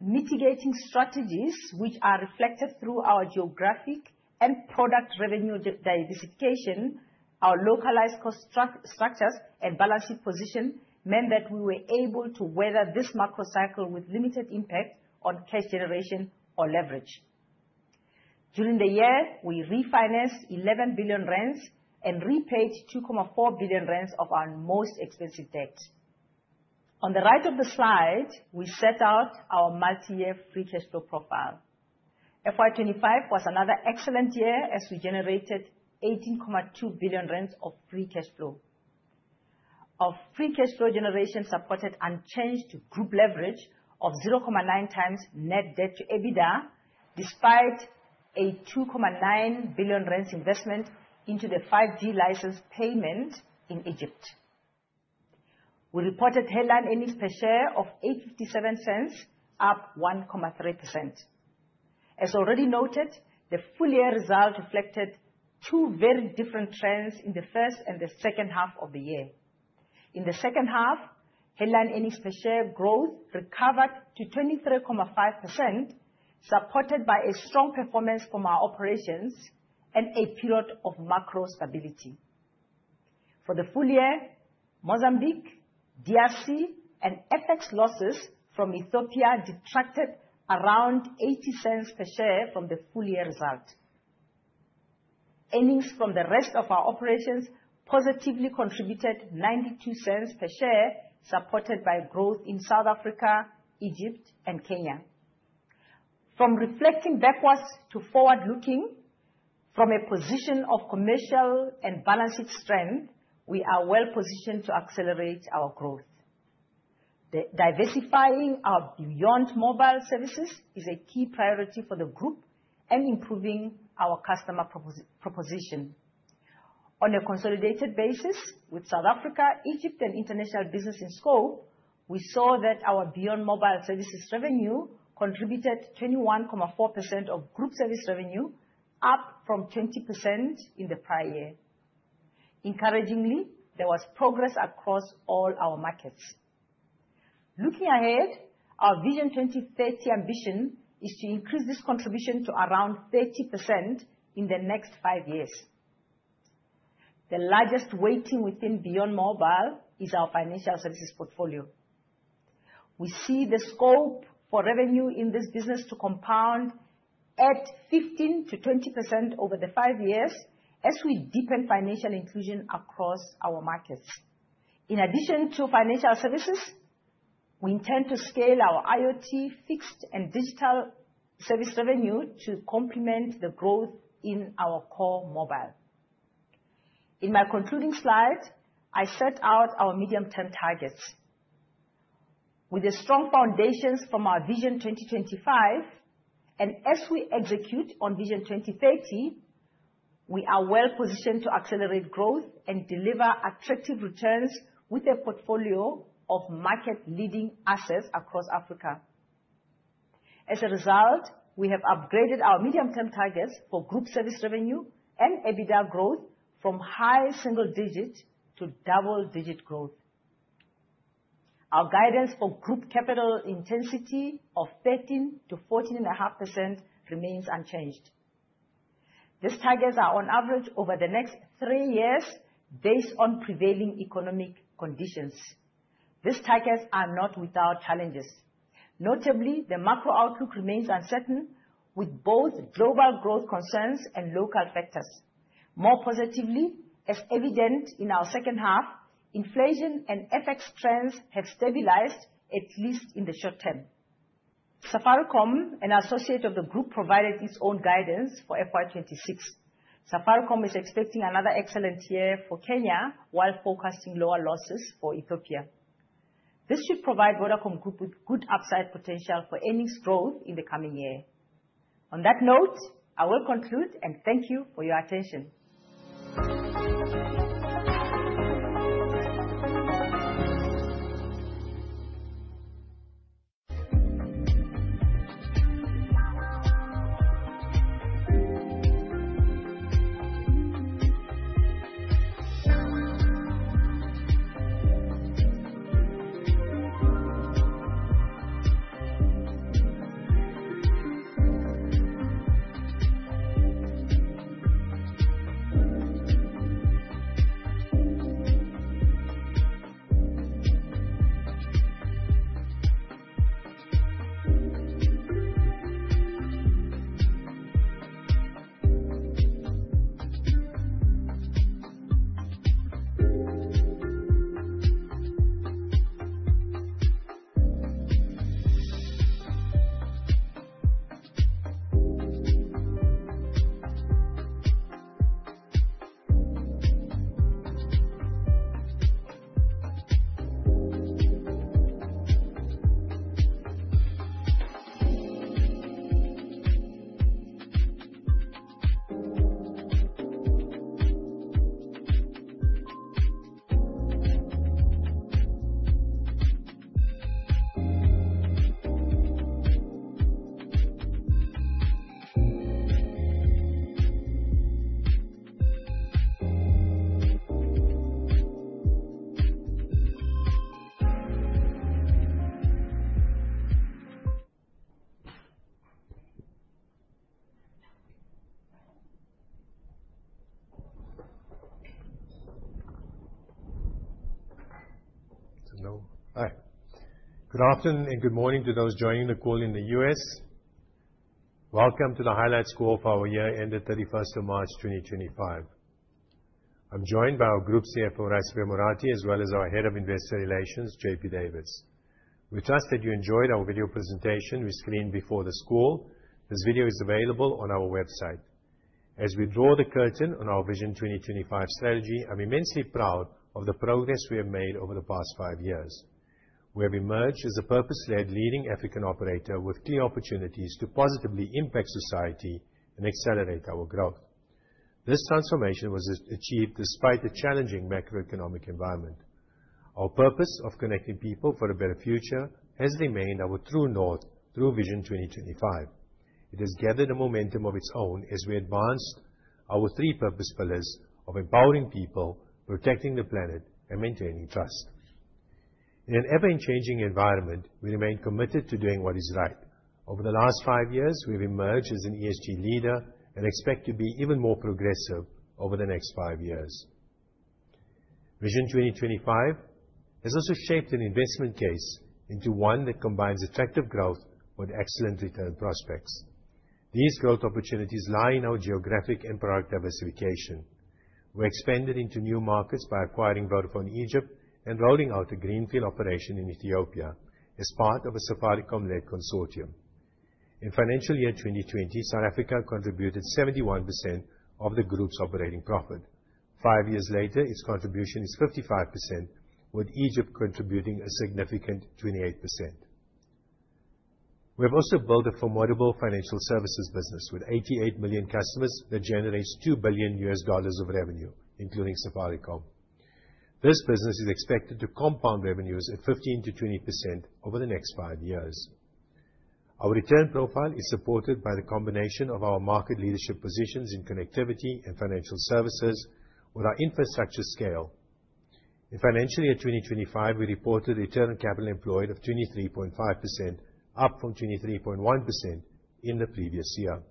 mitigating strategies, which are reflected through our geographic and product revenue diversification, our localized cost structures, and balance sheet position meant that we were able to weather this macro cycle with limited impact on cash generation or leverage. During the year, we refinanced 11 billion rand and repaid 2.4 billion rand of our most expensive debt. On the right of the slide, we set out our multi-year free cash flow profile. Financial year 2025 was another excellent year as we generated 18.2 billion rand of free cash flow. Our free cash flow generation supported unchanged group leverage of 0.9 times net debt to EBITDA, despite a 2.9 billion rand investment into the 5G license payment in Egypt. We reported headline earnings per share of 8.57, up 1.3%. As already noted, the full-year result reflected two very different trends in the first and the second half of the year. In the second half, headline earnings per share growth recovered to 23.5%, supported by a strong performance from our operations and a period of macro stability. For the full year, Mozambique, DRC, and FX losses from Ethiopia detracted around 0.80 per share from the full-year result. Earnings from the rest of our operations positively contributed 0.92 per share, supported by growth in South Africa, Egypt, and Kenya. From reflecting backwards to forward-looking, from a position of commercial and balance sheet strength, we are well-positioned to accelerate our growth. Diversifying our beyond mobile services is a key priority for the group and improving our customer proposition. On a consolidated basis, with South Africa, Egypt, and international business in scope, we saw that our beyond mobile services revenue contributed 21.4% of group service revenue, up from 20% in the prior year. Encouragingly, there was progress across all our markets. Looking ahead, our Vision 2030 ambition is to increase this contribution to around 30% in the next five years. The largest weighting within beyond mobile is our financial services portfolio. We see the scope for revenue in this business to compound at 15%-20% over the five years as we deepen financial inclusion across our markets. In addition to financial services, we intend to scale our IoT, fixed, and digital service revenue to complement the growth in our core mobile. In my concluding slide, I set out our medium-term targets. With the strong foundations from our Vision 2025, and as we execute on Vision 2030, we are well-positioned to accelerate growth and deliver attractive returns with a portfolio of market-leading assets across Africa. As a result, we have upgraded our medium-term targets for group service revenue and EBITDA growth from high single-digit to double-digit growth. Our guidance for group capital intensity of 13%-14.5% remains unchanged. These targets are on average over the next three years, based on prevailing economic conditions. These targets are not without challenges. Notably, the macro outlook remains uncertain, with both global growth concerns and local factors. More positively, as evident in our second half, inflation and FX trends have stabilized, at least in the short term. Safaricom, an associate of the group, provided its own guidance for FY2026. Safaricom is expecting another excellent year for Kenya while forecasting lower losses for Ethiopia. This should provide Vodacom Group with good upside potential for earnings growth in the coming year. On that note, I will conclude, and thank you for your attention. Good afternoon and good morning to those joining the call in the U.S. Welcome to the Highlights Call for our year ended 31st March 2025. I'm joined by our Group CFO, Raisibe Morathi, as well as our Head of Investor Relations, J.P. Davis. We trust that you enjoyed our video presentation we screened before the call. This video is available on our website. As we draw the curtain on our Vision 2025 strategy, I'm immensely proud of the progress we have made over the past five years. We have emerged as a purpose-led leading African operator with clear opportunities to positively impact society and accelerate our growth. This transformation was achieved despite the challenging macroeconomic environment. Our purpose of connecting people for a better future has remained our true north through Vision 2025. It has gathered a momentum of its own as we advanced our three purpose pillars of empowering people, protecting the planet, and maintaining trust. In an ever-changing environment, we remain committed to doing what is right. Over the last five years, we have emerged as an ESG leader and expect to be even more progressive over the next five years. Vision 2025 has also shaped an investment case into one that combines attractive growth with excellent return prospects. These growth opportunities lie in our geographic and product diversification. We expanded into new markets by acquiring Vodafone Egypt and rolling out a greenfield operation in Ethiopia as part of a Safaricom-led consortium. In financial year 2020, South Africa contributed 71% of the group's operating profit. Five years later, its contribution is 55%, with Egypt contributing a significant 28%. We have also built a formidable financial services business with 88 million customers that generates $2 billion of revenue, including Safaricom. This business is expected to compound revenues at 15%-20% over the next five years. Our return profile is supported by the combination of our market leadership positions in connectivity and financial services with our infrastructure scale. In financial year 2025, we reported return on capital employed of 23.5%, up from 23.1% in the previous year.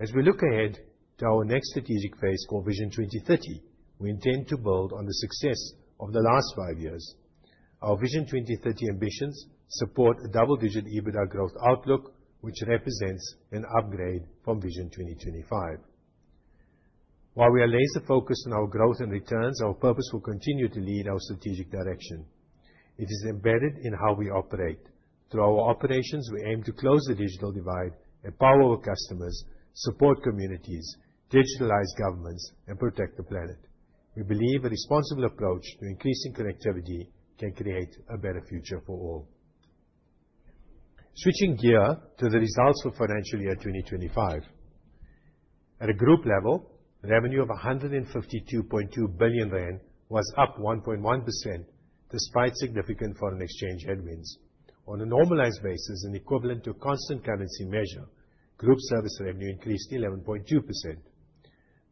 As we look ahead to our next strategic phase called Vision 2030, we intend to build on the success of the last five years. Our Vision 2030 ambitions support a double-digit EBITDA growth outlook, which represents an upgrade from Vision 2025. While we are laser-focused on our growth and returns, our purpose will continue to lead our strategic direction. It is embedded in how we operate. Through our operations, we aim to close the digital divide, empower our customers, support communities, digitalize governments, and protect the planet. We believe a responsible approach to increasing connectivity can create a better future for all. Switching gear to the results for financial year 2025. At a group level, revenue of 152.2 billion rand was up 1.1%, despite significant foreign exchange headwinds. On a normalized basis, an equivalent to a constant currency measure, group service revenue increased 11.2%.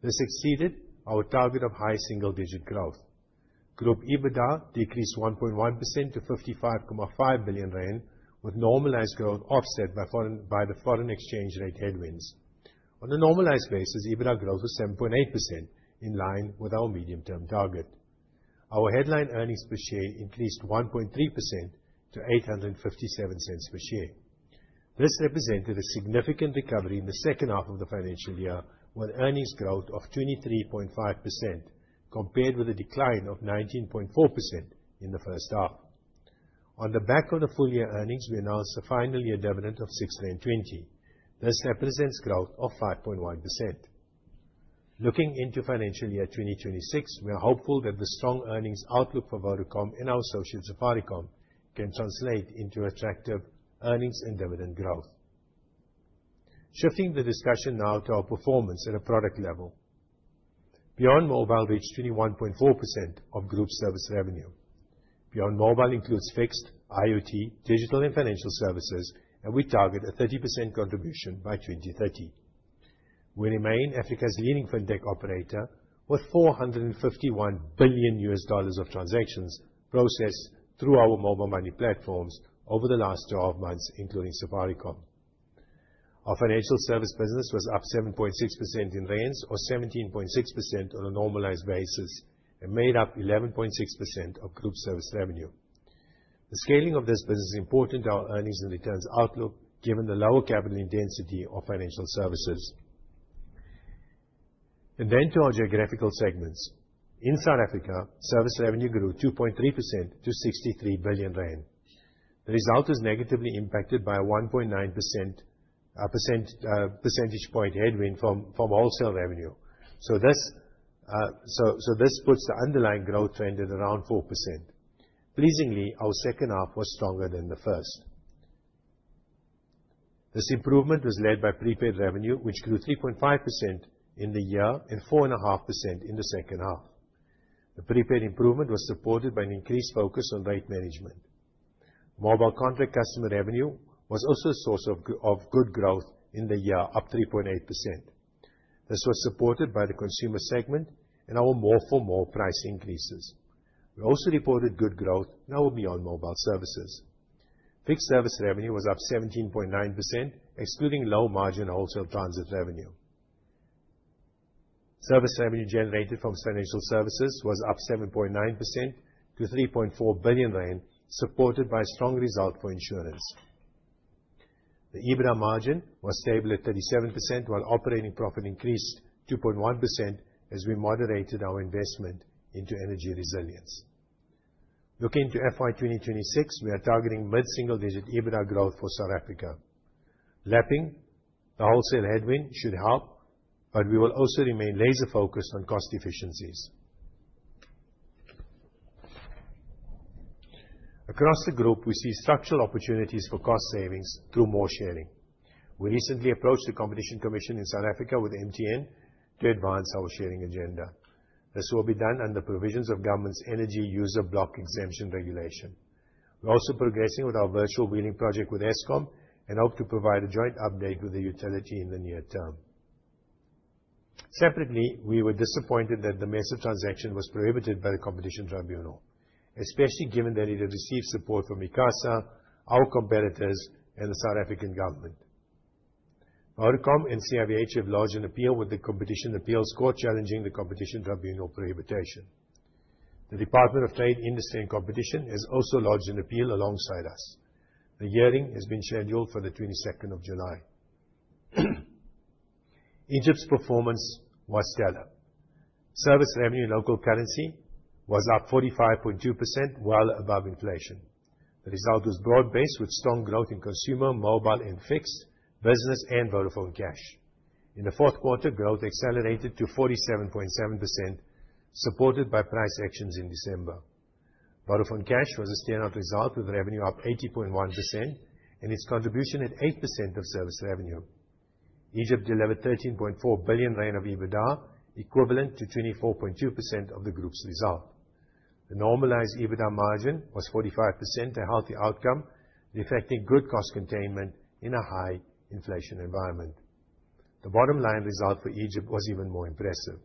This exceeded our target of high single-digit growth. Group EBITDA decreased 1.1% to 55.5 billion rand, with normalized growth offset by the foreign exchange rate headwinds. On a normalized basis, EBITDA growth was 7.8%, in line with our medium-term target. Our headline earnings per share increased 1.3% to 8.57 per share. This represented a significant recovery in the second half of the financial year, with earnings growth of 23.5% compared with a decline of 19.4% in the first half. On the back of the full-year earnings, we announced a final year dividend of 6.20. This represents growth of 5.1%. Looking into financial year 2026, we are hopeful that the strong earnings outlook for Vodacom and our associate Safaricom can translate into attractive earnings and dividend growth. Shifting the discussion now to our performance at a product level. Beyond mobile reached 21.4% of group service revenue. Beyond mobile includes fixed, IoT, digital, and financial services, and we target a 30% contribution by 2030. We remain Africa's leading fintech operator, with $451 billion of transactions processed through our mobile money platforms over the last 12 months, including Safaricom. Our financial service business was up 7.6% in rand, or 17.6% on a normalized basis, and made up 11.6% of group service revenue. The scaling of this business is important to our earnings and returns outlook, given the lower capital intensity of financial services. To our geographical segments. In South Africa, service revenue grew 2.3% to 63 billion rand. The result was negatively impacted by a 1.9 percentage point headwind from wholesale revenue. This puts the underlying growth trend at around 4%. Pleasingly, our second half was stronger than the first. This improvement was led by prepaid revenue, which grew 3.5% in the year and 4.5% in the second half. The prepaid improvement was supported by an increased focus on rate management. Mobile contract customer revenue was also a source of good growth in the year, up 3.8%. This was supported by the consumer segment and our more-for-more price increases. We also reported good growth in our beyond mobile services. Fixed service revenue was up 17.9%, excluding low-margin wholesale transit revenue. Service revenue generated from financial services was up 7.9% to 3.4 billion rand, supported by a strong result for insurance. The EBITDA margin was stable at 37%, while operating profit increased 2.1% as we moderated our investment into energy resilience. Looking to FY2026, we are targeting mid-single-digit EBITDA growth for South Africa. Lapping the wholesale headwind should help, but we will also remain laser-focused on cost efficiencies. Across the group, we see structural opportunities for cost savings through more sharing. We recently approached the Competition Commission in South Africa with MTN to advance our sharing agenda. This will be done under provisions of government's energy user block exemption regulation. We're also progressing with our virtual wheeling project with Eskom and hope to provide a joint update with the utility in the near term. Separately, we were disappointed that the CIVH transaction was prohibited by the Competition Tribunal, especially given that it had received support from ICASA, our competitors, and the South African government. Vodacom and CIVH have lodged an appeal with the Competition Appeals Court, challenging the Competition Tribunal prohibition. The Department of Trade, Industry, and Competition has also lodged an appeal alongside us. The hearing has been scheduled for the 22nd of July. Egypt's performance was stellar. Service revenue in local currency was up 45.2%, well above inflation. The result was broad-based, with strong growth in consumer, mobile, and fixed business, and Vodafone Cash. In the fourth quarter, growth accelerated to 47.7%, supported by price actions in December. Vodafone Cash was a standout result, with revenue up 80.1% and its contribution at 8% of service revenue. Egypt delivered 13.4 billion rand of EBITDA, equivalent to 24.2% of the group's result. The normalized EBITDA margin was 45%, a healthy outcome reflecting good cost containment in a high inflation environment. The bottom line result for Egypt was even more impressive.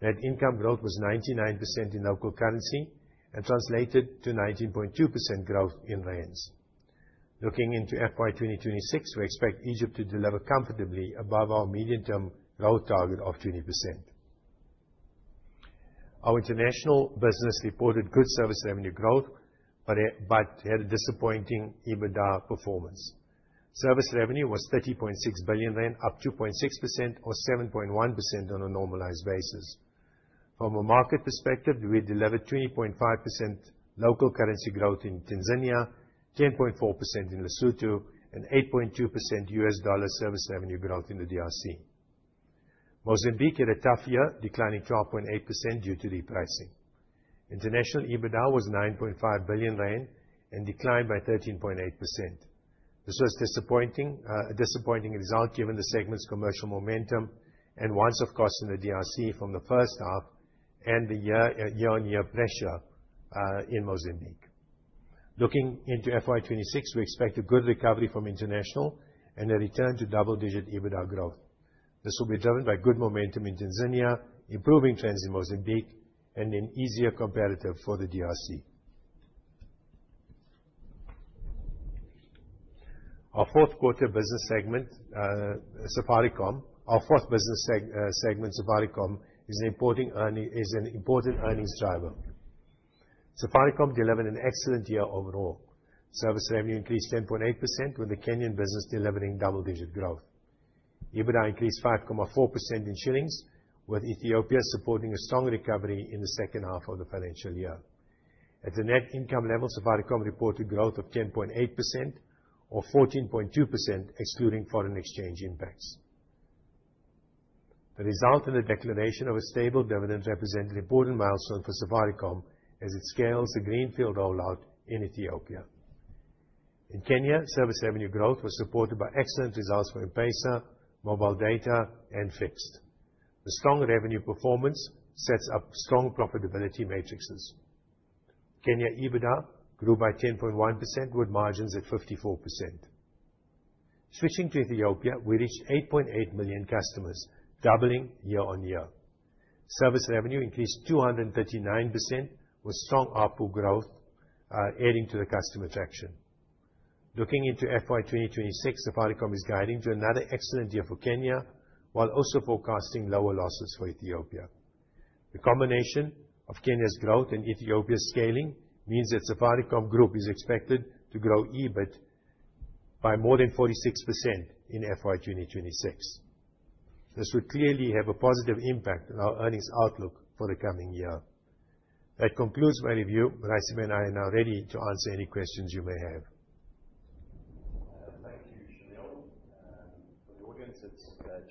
Net income growth was 99% in local currency and translated to 19.2% growth in rands. Looking into FY2026, we expect Egypt to deliver comfortably above our medium-term growth target of 20%. Our international business reported good service revenue growth, but had a disappointing EBITDA performance. Service revenue was 30.6 billion rand, up 2.6%, or 7.1% on a normalized basis. From a market perspective, we delivered 20.5% local currency growth in Tanzania, 10.4% in Lesotho, and 8.2% US dollar service revenue growth in the DRC. Mozambique had a tough year, declining 12.8% due to repricing. International EBITDA was 9.5 billion rand and declined by 13.8%. This was a disappointing result, given the segment's commercial momentum and rise of cost in the DRC from the first half and the year-on-year pressure in Mozambique. Looking into FY2026, we expect a good recovery from international and a return to double-digit EBITDA growth. This will be driven by good momentum in Tanzania, improving trends in Mozambique, and an easier competitive for the DRC. Our fourth business segment, Safaricom, is an important earnings driver. Safaricom delivered an excellent year overall. Service revenue increased 10.8%, with the Kenyan business delivering double-digit growth. EBITDA increased 5.4% in shillings, with Ethiopia supporting a strong recovery in the second half of the financial year. At the net income level, Safaricom reported growth of 10.8%, or 14.2%, excluding foreign exchange impacts. The result and the declaration of a stable dividend represent an important milestone for Safaricom, as it scales a greenfield rollout in Ethiopia. In Kenya, service revenue growth was supported by excellent results for M-Pesa, mobile data, and fixed. The strong revenue performance sets up strong profitability matrices. Kenya EBITDA grew by 10.1%, with margins at 54%. Switching to Ethiopia, we reached 8.8 million customers, doubling year-on-year. Service revenue increased 239%, with strong output growth adding to the customer traction. Looking into FY2026, Safaricom is guiding to another excellent year for Kenya, while also forecasting lower losses for Ethiopia. The combination of Kenya's growth and Ethiopia's scaling means that Safaricom Group is expected to grow EBIT by more than 46% in FY2026. This would clearly have a positive impact on our earnings outlook for the coming year. That concludes my review. Raisibe and I are now ready to answer any questions you may have.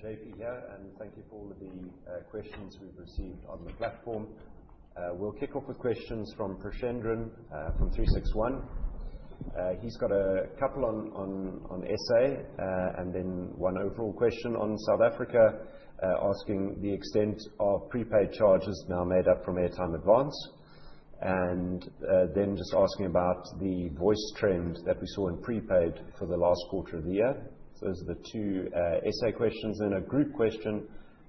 Thank you, Shameel. For the audience, it's JP here, and thank you for all of the questions we've received on the platform. We'll kick off with questions from Prashendran from 361. He's got a couple on SA and then one overall question on South Africa, asking the extent of prepaid charges now made up from airtime advance, and then just asking about the voice trend that we saw in prepaid for the last quarter of the year. Those are the two SA questions, then a group question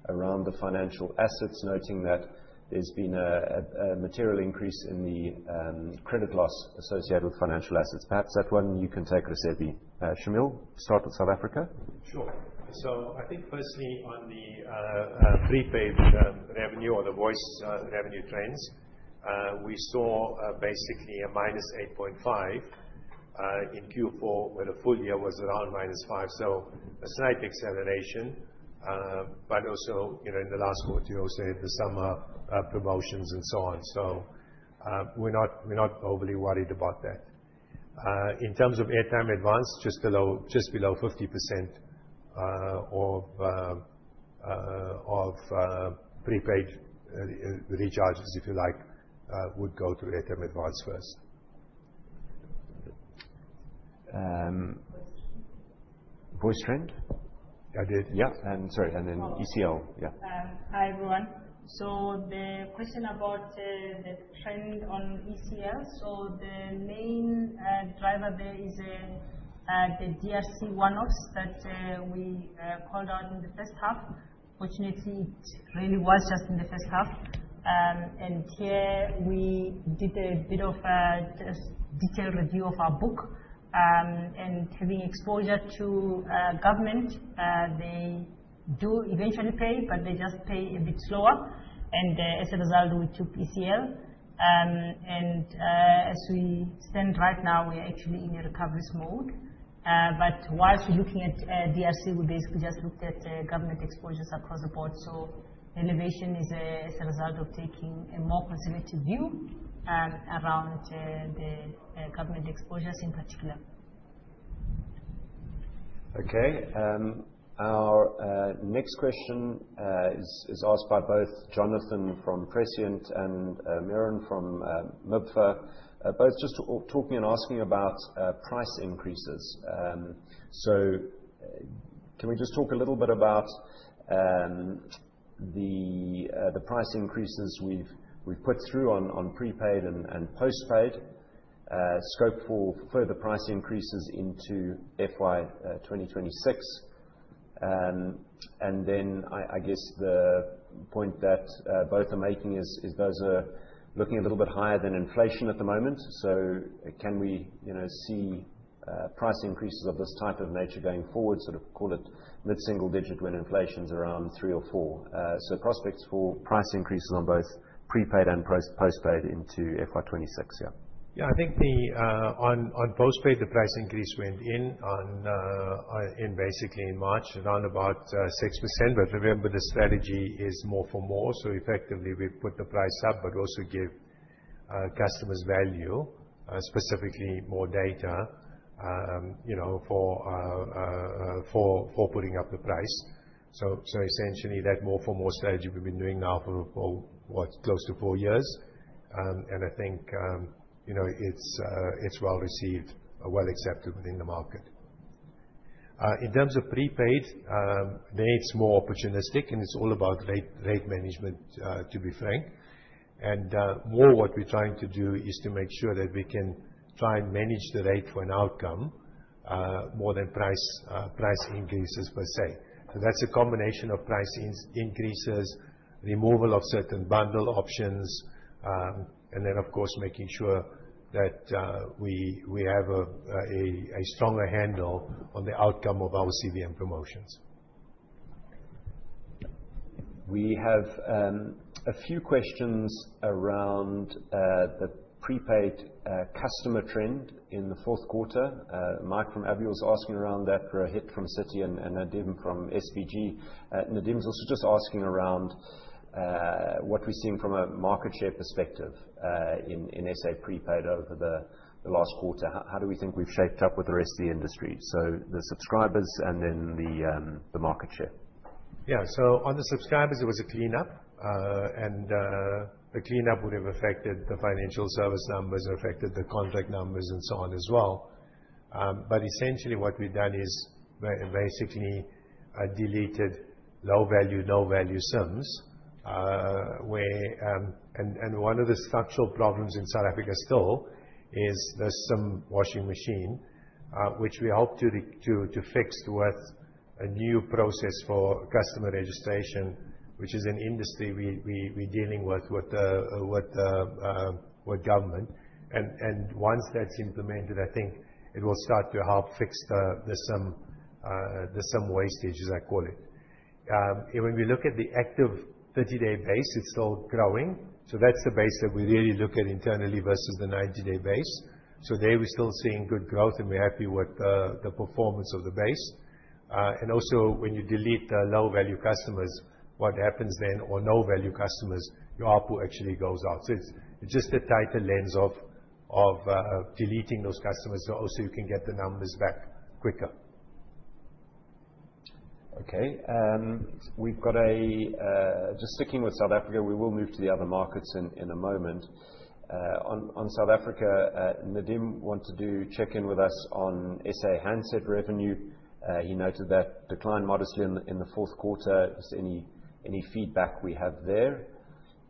around the financial assets, noting that there's been a material increase in the credit loss associated with financial assets. Perhaps that one you can take, Raisibe. Shameel, start with South Africa. Sure. I think firstly on the prepaid revenue or the voice revenue trends, we saw basically a -8.5% in Q4, where the full year was around -5%. A slight acceleration, but also in the last quarter, you also had the summer promotions and so on. We are not overly worried about that. In terms of airtime advance, just below 50% of prepaid recharges, if you like, would go to airtime advance first. Voice trend? I did. Yeah. Sorry, and then ECL. Yeah. Hi everyone. The question about the trend on ECL, the main driver there is the DRC one-offs that we called out in the first half. Fortunately, it really was just in the first half. Here we did a bit of a detailed review of our book. Having exposure to government, they do eventually pay, but they just pay a bit slower. As a result, we took ECL. As we stand right now, we are actually in a recovery mode. Whilst looking at DRC, we basically just looked at government exposures across the board. Elevation is as a result of taking a more conservative view around the government exposures in particular. Okay. Our next question is asked by both Jonathan from Prescient and Miron from MPFA, both just talking and asking about price increases. Can we just talk a little bit about the price increases we've put through on prepaid and postpaid, scope for further price increases into FY2026? I guess the point that both are making is those are looking a little bit higher than inflation at the moment. Can we see price increases of this type of nature going forward, sort of call it mid-single digit when inflation's around 3% or 4%? Prospects for price increases on both prepaid and postpaid into FY2026, yeah. Yeah, I think on postpaid, the price increase went in basically in March around about 6%. Remember, the strategy is more for more. Effectively, we put the price up, but also give customers value, specifically more data for putting up the price. Essentially, that more for more strategy we've been doing now for close to four years. I think it's well received, well accepted within the market. In terms of prepaid, the need's more opportunistic, and it's all about rate management, to be frank. What we're trying to do is to make sure that we can try and manage the rate for an outcome more than price increases per se. That is a combination of price increases, removal of certain bundle options, and then, of course, making sure that we have a stronger handle on the outcome of our CBM promotions. We have a few questions around the prepaid customer trend in the fourth quarter. Mike from Abio was asking around that. There are a hit from Citi and Nadim from SPG. Nadim is also just asking around what we're seeing from a market share perspective in SA prepaid over the last quarter. How do we think we've shaped up with the rest of the industry? The subscribers and then the market share. Yeah. On the subscribers, it was a cleanup. The cleanup would have affected the financial service numbers, affected the contract numbers, and so on as well. Essentially, what we have done is basically deleted low-value, no-value SIMs. One of the structural problems in South Africa still is there is some washing machine, which we hope to fix with a new process for customer registration, which is an industry we are dealing with government. Once that is implemented, I think it will start to help fix the SIM wastage, as I call it. When we look at the active 30-day base, it is still growing. That is the base that we really look at internally versus the 90-day base. There we are still seeing good growth, and we are happy with the performance of the base. Also, when you delete the low-value customers, what happens then, or no-value customers, your output actually goes up. It's just a tighter lens of deleting those customers so also you can get the numbers back quicker. Okay. Just sticking with South Africa, we will move to the other markets in a moment. On South Africa, Nadim wanted to check in with us on SA handset revenue. He noted that declined modestly in the fourth quarter. Is there any feedback we have there?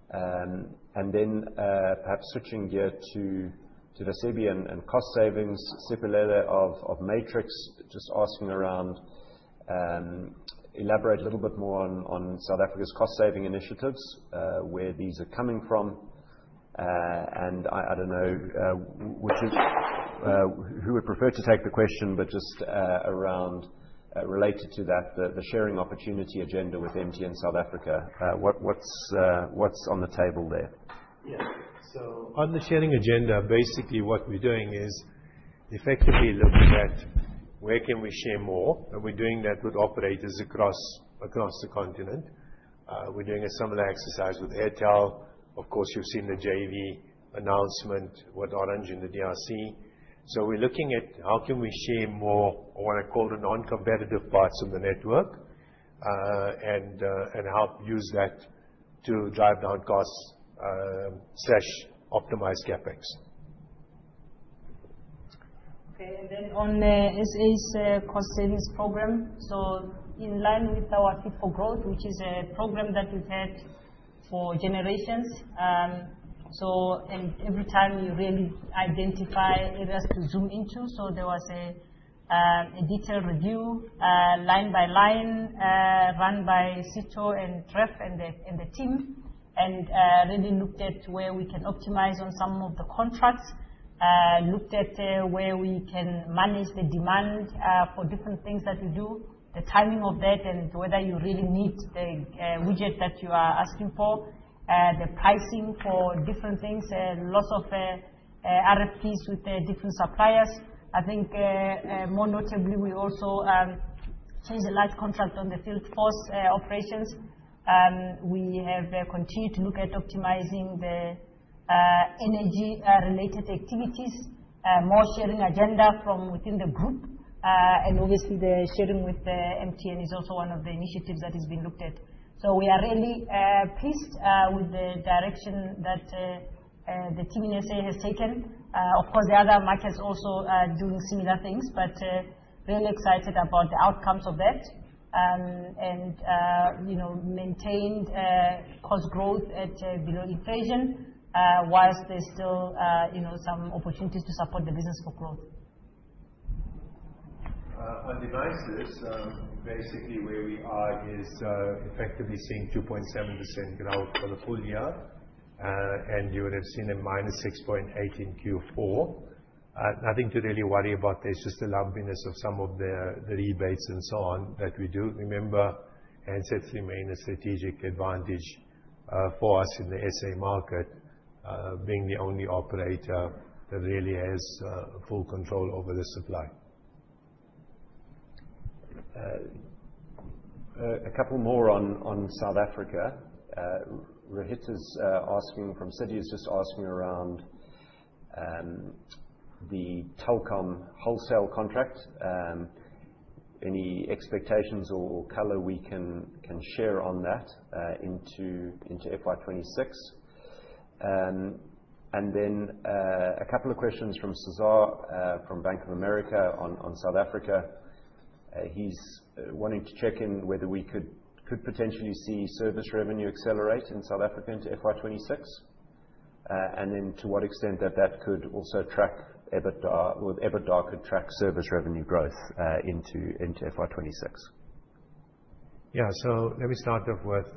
Perhaps switching gear to the CBN and cost savings, Sipilele of Matrix just asking around, elaborate a little bit more on South Africa's cost-saving initiatives, where these are coming from. I don't know who would prefer to take the question, but just around related to that, the sharing opportunity agenda with MTN South Africa. What's on the table there? Yeah. On the sharing agenda, basically what we're doing is effectively looking at where can we share more. We're doing that with operators across the continent. We're doing a similar exercise with Airtel. Of course, you've seen the JV announcement with Orange in the DRC. We're looking at how can we share more or what I call the non-competitive parts of the network and help use that to drive down costs/optimize CapEx. Okay. On SA's cost-savings program, in line with our SIFO Growth, which is a program that we've had for generations. Every time you really identify areas to zoom into. There was a detailed review line by line run by Sito and Tref and the team, and really looked at where we can optimize on some of the contracts, looked at where we can manage the demand for different things that we do, the timing of that, and whether you really need the widget that you are asking for, the pricing for different things, lots of RFPs with different suppliers. I think more notably, we also chased a large contract on the field force operations. We have continued to look at optimizing the energy-related activities, more sharing agenda from within the group. Obviously, the sharing with MTN is also one of the initiatives that has been looked at. We are really pleased with the direction that the team in SA has taken. Of course, the other markets also are doing similar things, but really excited about the outcomes of that and maintained cost growth at below inflation whilst there's still some opportunities to support the business for growth. On devices, basically where we are is effectively seeing 2.7% growth for the full year. And you would have seen a -6.8% in Q4. Nothing to really worry about. There's just the lumpiness of some of the rebates and so on that we do remember and sets remain a strategic advantage for us in the S.A. market, being the only operator that really has full control over the supply. A couple more on South Africa. Rohit is asking from Citi is just asking around the telecom wholesale contract. Any expectations or color we can share on that into FY2026? A couple of questions from Sazar from Bank of America on South Africa. He's wanting to check in whether we could potentially see service revenue accelerate in South Africa into FY2026, and then to what extent that could also track EBITDA, could track service revenue growth into FY2026. Yeah. Let me start off with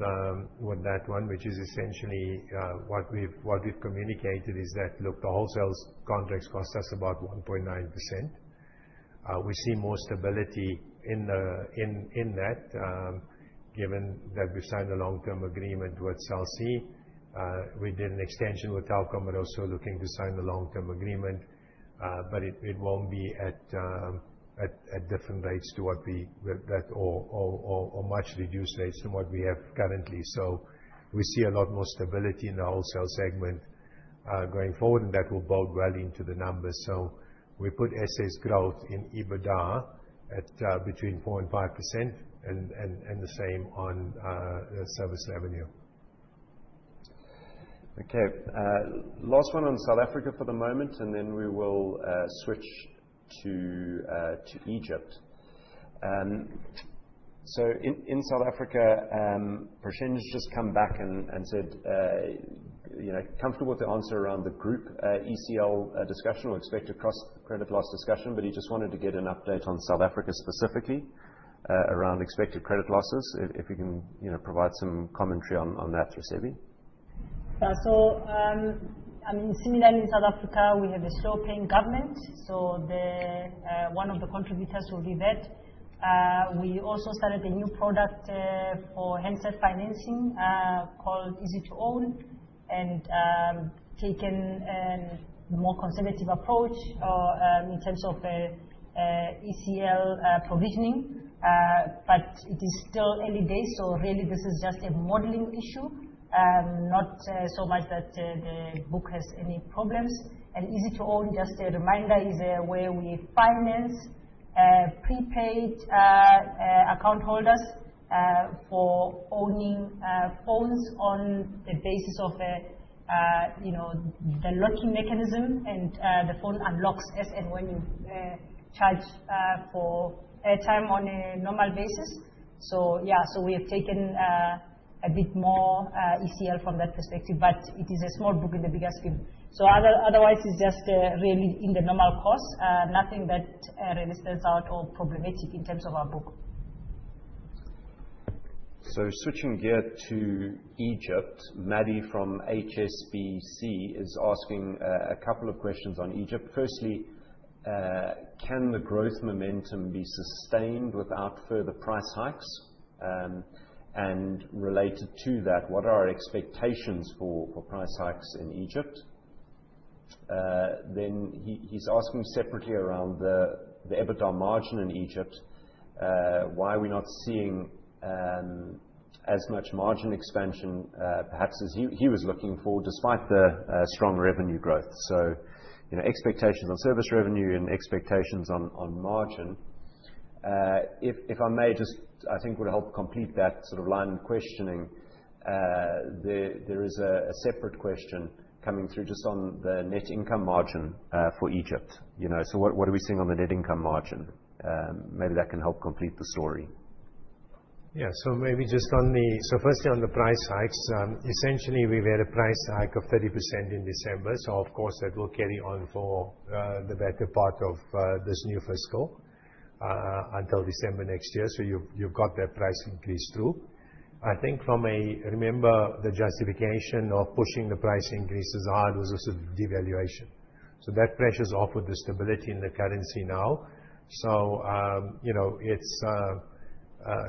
that one, which is essentially what we've communicated is that, look, the wholesale contracts cost us about 1.9%. We see more stability in that given that we've signed a long-term agreement with CIVH. We did an extension with Telkom, but also looking to sign a long-term agreement. It will not be at different rates to what we, or much reduced rates than what we have currently. We see a lot more stability in the wholesale segment going forward, and that will bode well into the numbers. We put S.A.'s growth in EBITDA at between 4% and 5% and the same on service revenue. Okay. Last one on South Africa for the moment, and then we will switch to Egypt. In South Africa, Prashin has just come back and said comfortable with the answer around the group ECL discussion or expected credit loss discussion, but he just wanted to get an update on South Africa specifically around expected credit losses, if he can provide some commentary on that, Raisibe. I mean, similarly, in South Africa, we have a slow-paying government. One of the contributors will be that. We also started a new product for handset financing called Easy2Own and taken a more conservative approach in terms of ECL provisioning. It is still early days. Really, this is just a modeling issue, not so much that the book has any problems. Easy2Own, just a reminder, is where we finance prepaid account holders for owning phones on the basis of the locking mechanism, and the phone unlocks as and when you charge for airtime on a normal basis. Yeah, we have taken a bit more ECL from that perspective, but it is a small book in the bigger scheme. Otherwise, it is just really in the normal cost, nothing that really stands out or is problematic in terms of our book. Switching gear to Egypt, Maddie from HSBC is asking a couple of questions on Egypt. Firstly, can the growth momentum be sustained without further price hikes? Related to that, what are our expectations for price hikes in Egypt? He's asking separately around the EBITDA margin in Egypt, why are we not seeing as much margin expansion, perhaps as he was looking for, despite the strong revenue growth? Expectations on service revenue and expectations on margin. If I may, just I think would help complete that sort of line of questioning. There is a separate question coming through just on the net income margin for Egypt. What are we seeing on the net income margin? Maybe that can help complete the story. Yeah. Maybe just on the, so firstly, on the price hikes, essentially, we've had a price hike of 30% in December. Of course, that will carry on for the better part of this new fiscal until December next year. You've got that price increase through. I think from a, remember, the justification of pushing the price increases hard was also devaluation. That pressure is off with the stability in the currency now.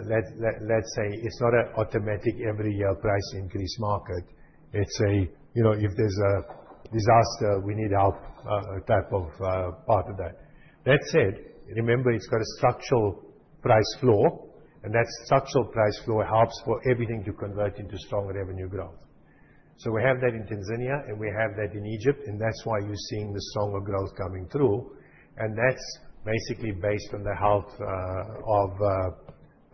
Let's say it's not an automatic every-year price increase market. It's a, "If there's a disaster, we need help," type of part of that. That said, remember, it's got a structural price floor, and that structural price floor helps for everything to convert into strong revenue growth. We have that in Tanzania, and we have that in Egypt, and that's why you're seeing the stronger growth coming through. That's basically based on the health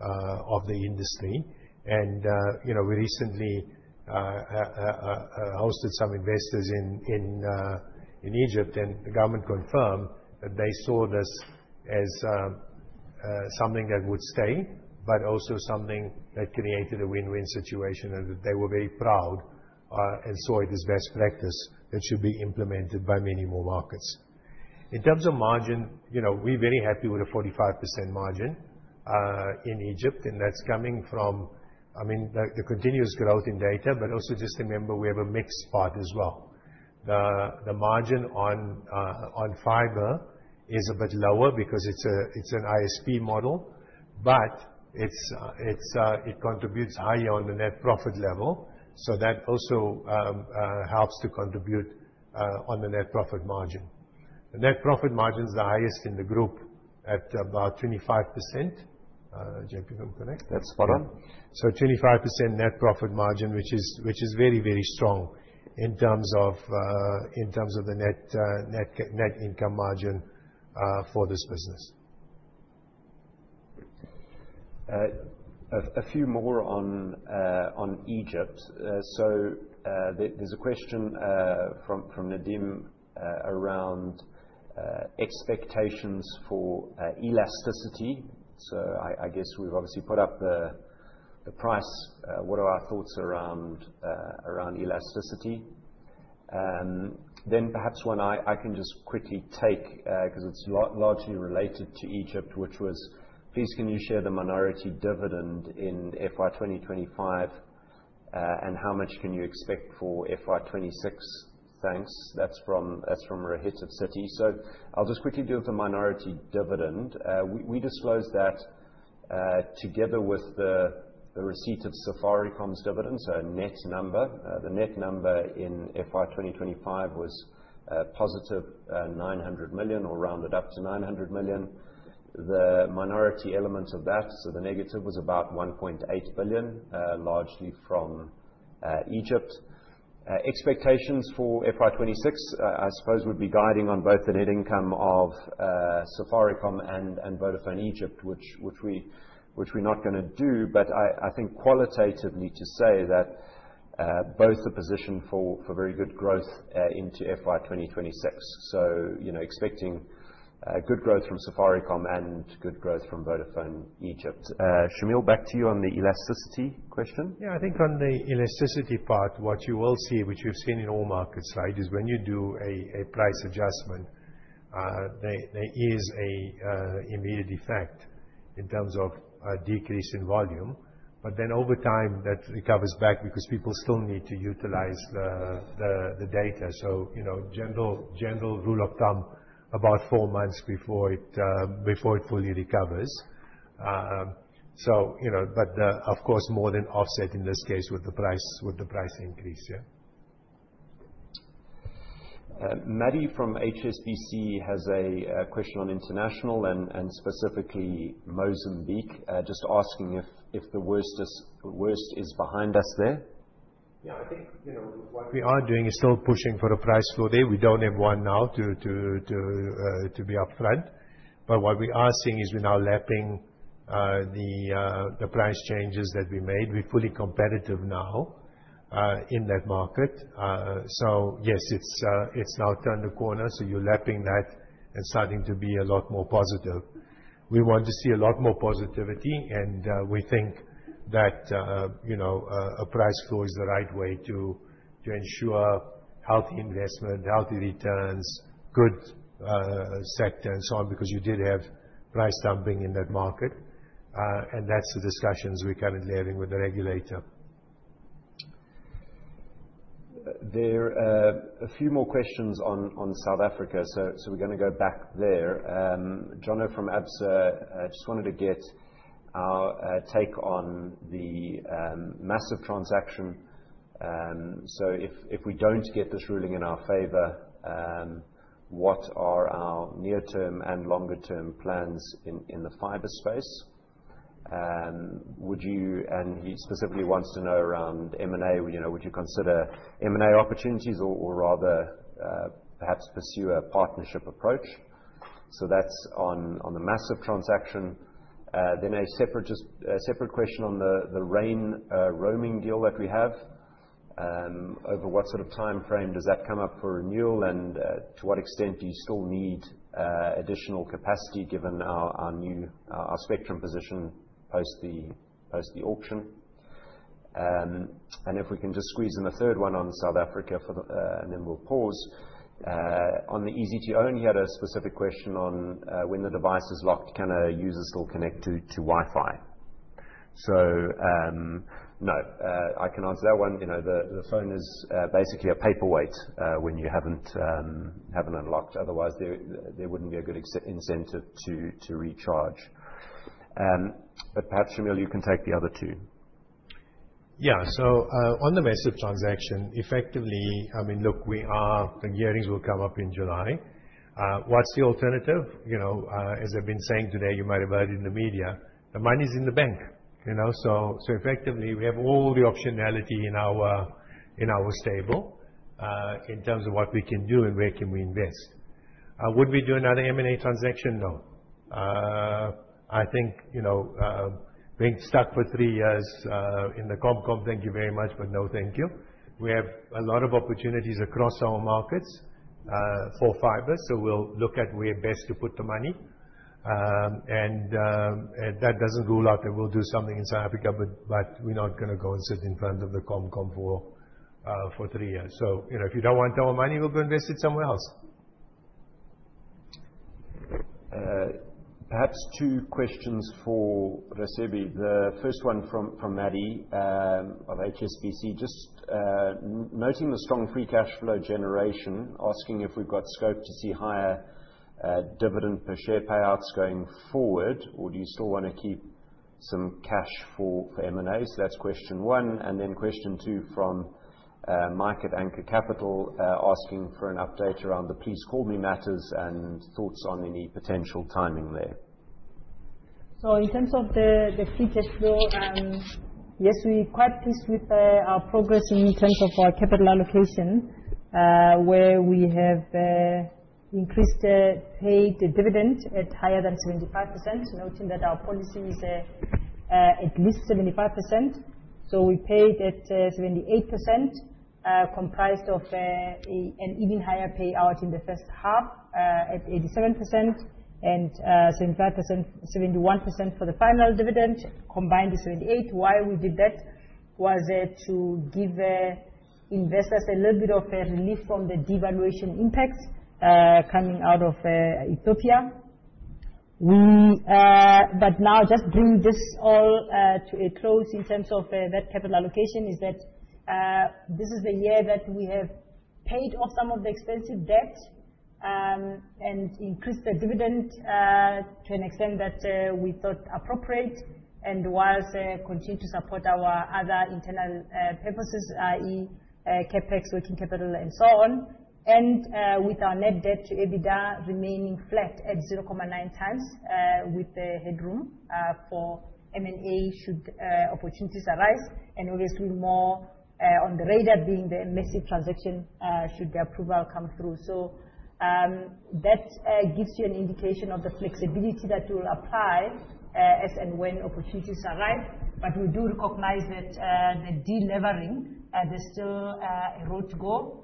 of the industry. We recently hosted some investors in Egypt, and the government confirmed that they saw this as something that would stay, but also something that created a win-win situation and that they were very proud and saw it as best practice that should be implemented by many more markets. In terms of margin, we're very happy with a 45% margin in Egypt, and that's coming from, I mean, the continuous growth in data, but also just remember we have a mixed part as well. The margin on fiber is a bit lower because it's an ISP model, but it contributes higher on the net profit level. So that also helps to contribute on the net profit margin. The net profit margin is the highest in the group at about 25%. Jacob, can we connect? That's spot on. So 25% net profit margin, which is very, very strong in terms of the net income margin for this business. A few more on Egypt. There's a question from Nadim around expectations for elasticity. I guess we've obviously put up the price. What are our thoughts around elasticity? Perhaps one I can just quickly take because it's largely related to Egypt, which was, "Please, can you share the minority dividend in FY2025, and how much can you expect for FY2026?" Thanks. That's from Rohit of Citi. I'll just quickly do the minority dividend. We disclosed that together with the receipt of Safaricom's dividend, so net number, the net number in FY2025 was positive 900 million or rounded up to 900 million. The minority element of that, so the negative, was about 1.8 billion, largely from Egypt. Expectations for FY2026, I suppose, would be guiding on both the net income of Safaricom and Vodafone Egypt, which we're not going to do, but I think qualitatively to say that both are positioned for very good growth into FY2026. Expecting good growth from Safaricom and good growth from Vodafone Egypt. Shameel, back to you on the elasticity question. Yeah. I think on the elasticity part, what you will see, which you've seen in all markets, right, is when you do a price adjustment, there is an immediate effect in terms of decrease in volume. Then over time, that recovers back because people still need to utilize the data. General rule of thumb, about four months before it fully recovers. Of course, more than offset in this case with the price increase. Yeah. Maddie from HSBC has a question on international and specifically Mozambique, just asking if the worst is behind us there. Yeah. I think what we are doing is still pushing for a price floor there. We do not have one now to be upfront. What we are seeing is we are now lapping the price changes that we made. We are fully competitive now in that market. Yes, it has now turned a corner. You're lapping that and starting to be a lot more positive. We want to see a lot more positivity, and we think that a price floor is the right way to ensure healthy investment, healthy returns, good sector, and so on, because you did have price dumping in that market. That's the discussions we're currently having with the regulator. There are a few more questions on South Africa. We're going to go back there. John O from Absa just wanted to get our take on the massive transaction. If we don't get this ruling in our favor, what are our near-term and longer-term plans in the fiber space? He specifically wants to know around M&A. Would you consider M&A opportunities or rather perhaps pursue a partnership approach? That's on the massive transaction. A separate question on the rain roaming deal that we have. Over what sort of time frame does that come up for renewal, and to what extent do you still need additional capacity given our spectrum position post the auction? If we can just squeeze in the third one on South Africa, and then we'll pause. On the Easy2Own, he had a specific question on when the device is locked, can a user still connect to Wi-Fi? No, I can answer that one. The phone is basically a paperweight when you haven't unlocked. Otherwise, there wouldn't be a good incentive to recharge. Perhaps, Shameel, you can take the other two. Yeah. On the massive transaction, effectively, I mean, look, the gearings will come up in July. What's the alternative? As I've been saying today, you might have heard in the media, the money's in the bank. Effectively, we have all the optionality in our stable in terms of what we can do and where can we invest. Would we do another M&A transaction? No. I think being stuck for three years in the Comcom, thank you very much, but no thank you. We have a lot of opportunities across our markets for fiber, so we'll look at where best to put the money. That does not rule out that we'll do something in South Africa, but we're not going to go and sit in front of the Comcom for three years. If you do not want our money, we'll go invest it somewhere else. Perhaps two questions for Raisibe. The first one from Maddie of HSBC, just noting the strong free cash flow generation, asking if we've got scope to see higher dividend per share payouts going forward, or do you still want to keep some cash for M&As? That's question one. The second question from Market Anchor Capital, asking for an update around the please call me matters and thoughts on any potential timing there. In terms of the free cash flow, yes, we're quite pleased with our progress in terms of our capital allocation, where we have increased paid dividend at higher than 75%, noting that our policy is at least 75%. We paid at 78%, comprised of an even higher payout in the first half at 87% and 71% for the final dividend. Combined the 78, why we did that was to give investors a little bit of relief from the devaluation impact coming out of Ethiopia. Now, just bring this all to a close in terms of that capital allocation, this is the year that we have paid off some of the expensive debt and increased the dividend to an extent that we thought appropriate and was continued to support our other internal purposes, i.e., CapEx, working capital, and so on. With our net debt to EBITDA remaining flat at 0.9 times with the headroom for M&A should opportunities arise. Obviously, more on the radar being the massive transaction should the approval come through. That gives you an indication of the flexibility that will apply as and when opportunities arise. We do recognize that the delevering, there's still a road to go.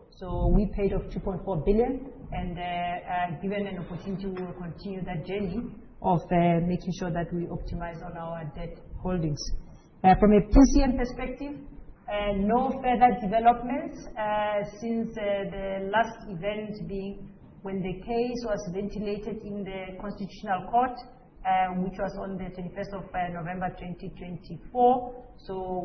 We paid off $2.4 billion, and given an opportunity, we will continue that journey of making sure that we optimize on our debt holdings. From a PCM perspective, no further developments since the last event being when the case was ventilated in the Constitutional Court, which was on the 21st of November 2024.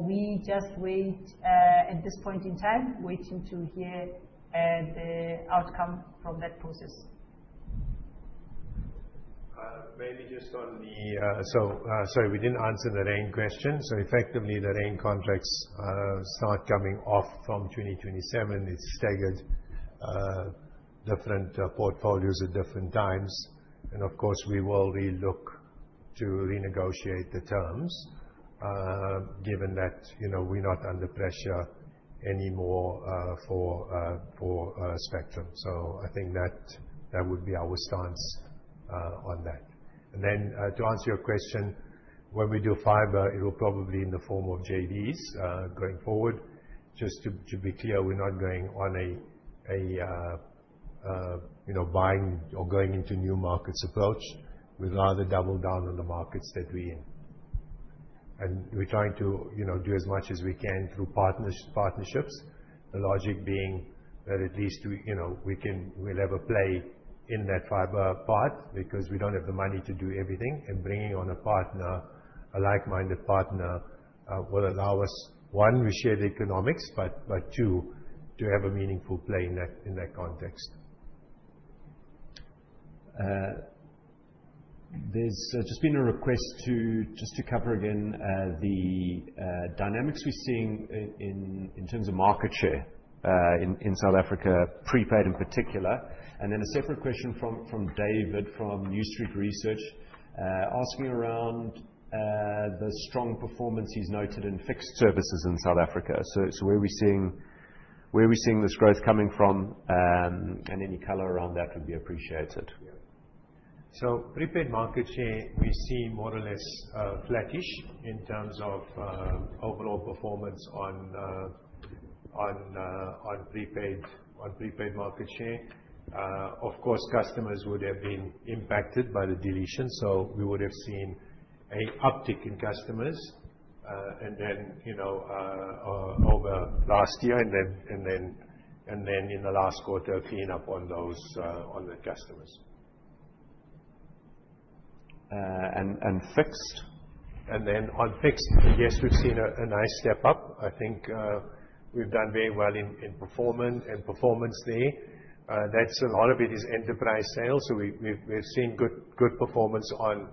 We just wait at this point in time, waiting to hear the outcome from that process. Maybe just on the—sorry, we did not answer the rain question. Effectively, the rain contracts start coming off from 2027. It is staggered, different portfolios at different times. Of course, we will relook to renegotiate the terms given that we are not under pressure anymore for spectrum. I think that would be our stance on that. To answer your question, when we do fiber, it will probably be in the form of JVs going forward. Just to be clear, we're not going on a buying or going into new markets approach. We'd rather double down on the markets that we're in. We're trying to do as much as we can through partnerships, the logic being that at least we'll have a play in that fiber part because we don't have the money to do everything. Bringing on a partner, a like-minded partner, will allow us, one, we share the economics, but two, to have a meaningful play in that context. There's just been a request to cover again the dynamics we're seeing in terms of market share in South Africa, prepaid in particular. Then a separate question from David from New Street Research asking around the strong performance he's noted in fixed services in South Africa. Where are we seeing this growth coming from? Any color around that would be appreciated. Yeah. Prepaid market share, we see more or less flattish in terms of overall performance on prepaid market share. Of course, customers would have been impacted by the deletion, so we would have seen an uptick in customers over last year and then in the last quarter clean up on those customers. Fixed? On fixed, yes, we've seen a nice step up. I think we've done very well in performance there. A lot of it is enterprise sales. We've seen good performance on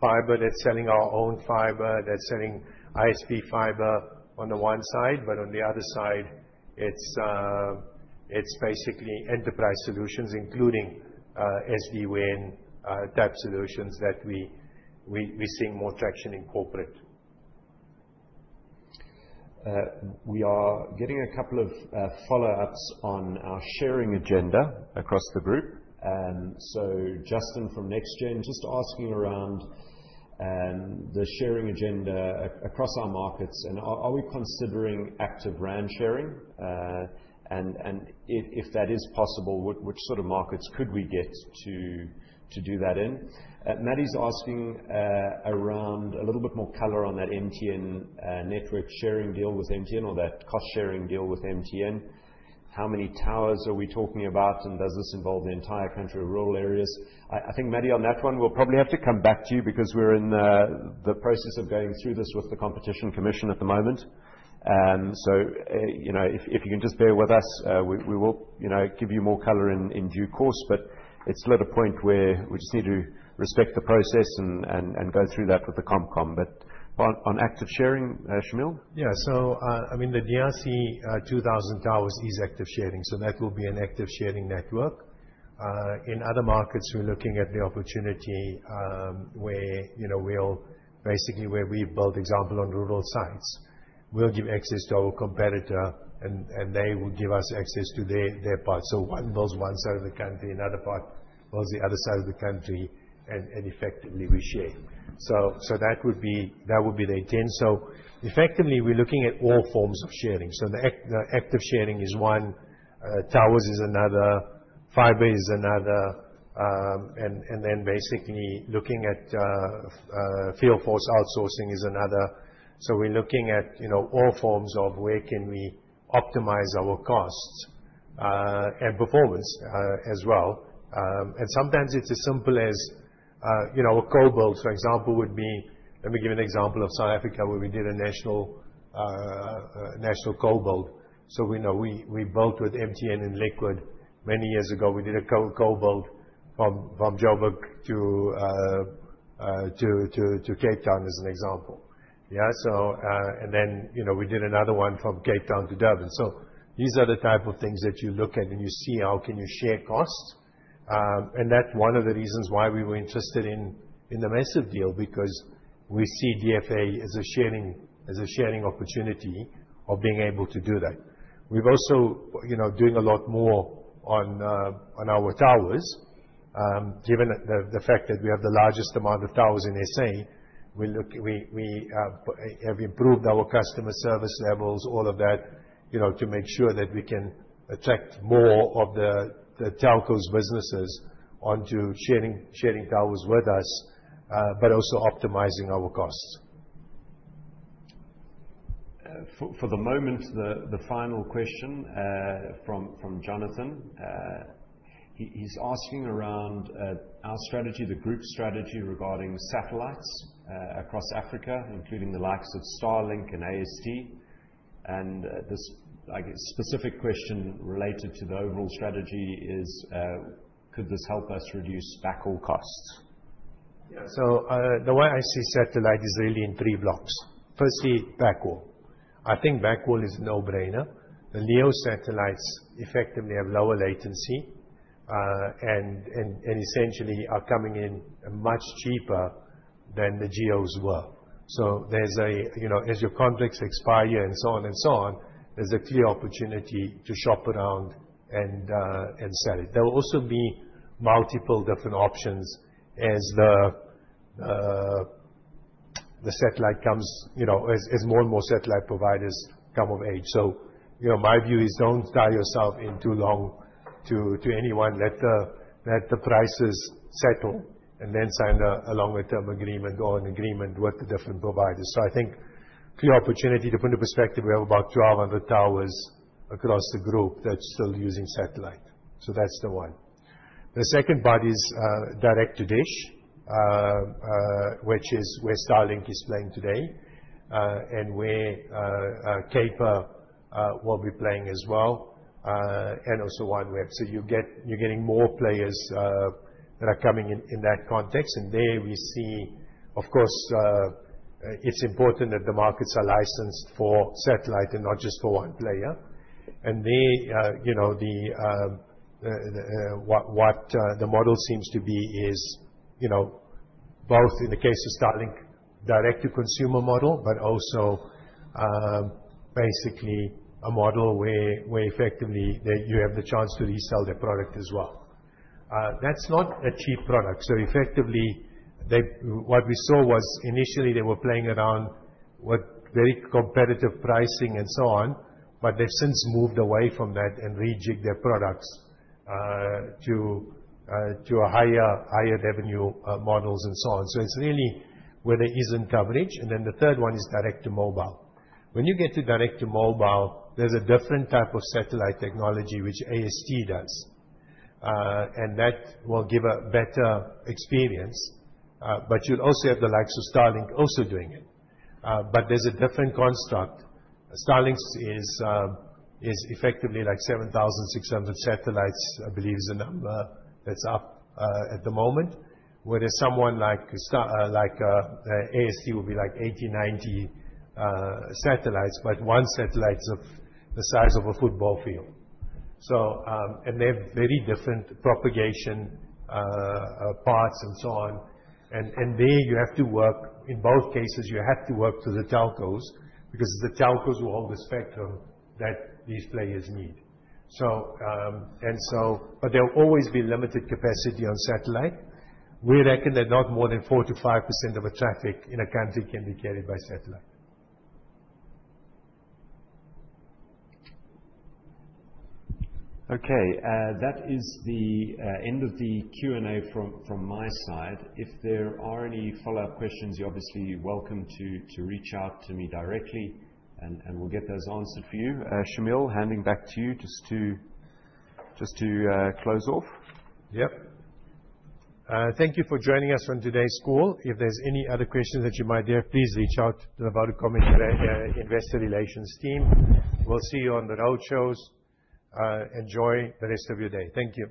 fiber. That's selling our own fiber. That's selling ISP fiber on the one side. On the other side, it's basically enterprise solutions, including SD-WAN type solutions that we're seeing more traction in corporate. We are getting a couple of follow-ups on our sharing agenda across the group. Justin from NexGen just asking around the sharing agenda across our markets. Are we considering active RAN sharing? If that is possible, which sort of markets could we get to do that in? Maddie's asking around a little bit more color on that MTN network sharing deal with MTN or that cost sharing deal with MTN. How many towers are we talking about? Does this involve the entire country or rural areas? I think, Maddie, on that one, we'll probably have to come back to you because we're in the process of going through this with the Competition Commission at the moment. If you can just bear with us, we will give you more color in due course. It is still at a point where we just need to respect the process and go through that with the Comcom. On active sharing, Shameel? I mean, the DRC 2,000 towers is active sharing. That will be an active sharing network. In other markets, we're looking at the opportunity where we'll basically, where we build example on rural sites, we'll give access to our competitor, and they will give us access to their part. One builds one side of the country, another part builds the other side of the country, and effectively, we share. That would be the intent. Effectively, we're looking at all forms of sharing. Active sharing is one. Towers is another. Fiber is another. Then basically, looking at field force outsourcing is another. We're looking at all forms of where can we optimize our costs and performance as well. Sometimes it's as simple as a co-build, for example, let me give you an example of South Africa where we did a national co-build. We built with MTN and Liquid many years ago. We did a co-build from Johannesburg to Cape Town as an example. Yeah. Then we did another one from Cape Town to Durban. These are the type of things that you look at and you see how you can share cost. That is one of the reasons why we were interested in the massive deal because we see DFA as a sharing opportunity of being able to do that. We're also doing a lot more on our towers. Given the fact that we have the largest amount of towers in S.A., we have improved our customer service levels, all of that, to make sure that we can attract more of the telcos businesses onto sharing towers with us, but also optimizing our costs. For the moment, the final question from Jonathan. He's asking around our strategy, the group strategy regarding satellites across Africa, including the likes of Starlink and AST. This specific question related to the overall strategy is, could this help us reduce backhaul costs? Yeah. The way I see satellite is really in three blocks. Firstly, backhaul. I think backhaul is a no-brainer. The LEO satellites effectively have lower latency and essentially are coming in much cheaper than the GEOs were. As your contracts expire and so on and so on, there's a clear opportunity to shop around and sell it. There will also be multiple different options as the satellite comes, as more and more satellite providers come of age. My view is do not tie yourself in too long to anyone. Let the prices settle and then sign a longer-term agreement or an agreement with the different providers. I think clear opportunity to put into perspective, we have about 1,200 towers across the group that are still using satellite. That is the one. The second part is direct-to-dish, which is where Starlink is playing today and where CAPER will be playing as well and also OneWeb. You are getting more players that are coming in that context. There we see, of course, it is important that the markets are licensed for satellite and not just for one player. The model seems to be both in the case of Starlink, direct-to-consumer model, but also basically a model where effectively you have the chance to resell the product as well. That is not a cheap product. Effectively, what we saw was initially they were playing around with very competitive pricing and so on, but they have since moved away from that and rejigged their products to higher revenue models and so on. It is really where there is not coverage. The third one is direct-to-mobile. When you get to direct-to-mobile, there is a different type of satellite technology which AST does. That will give a better experience. You will also have the likes of Starlink also doing it. There is a different construct. Starlink is effectively like 7,600 satellites, I believe is the number that's up at the moment, whereas someone like AST will be like 80-90 satellites, but one satellite's the size of a football field. They have very different propagation paths and so on. In both cases, you have to work through the telcos because the telcos will hold the spectrum that these players need. There will always be limited capacity on satellite. We reckon that not more than 4%-5% of traffic in a country can be carried by satellite. Okay. That is the end of the Q&A from my side. If there are any follow-up questions, you're obviously welcome to reach out to me directly, and we'll get those answered for you. Shameel, handing back to you just to close off. Yep. Thank you for joining us on today's call. If there's any other questions that you might have, please reach out to the Vodacom Investor Relations team. We'll see you on the road shows. Enjoy the rest of your day. Thank you.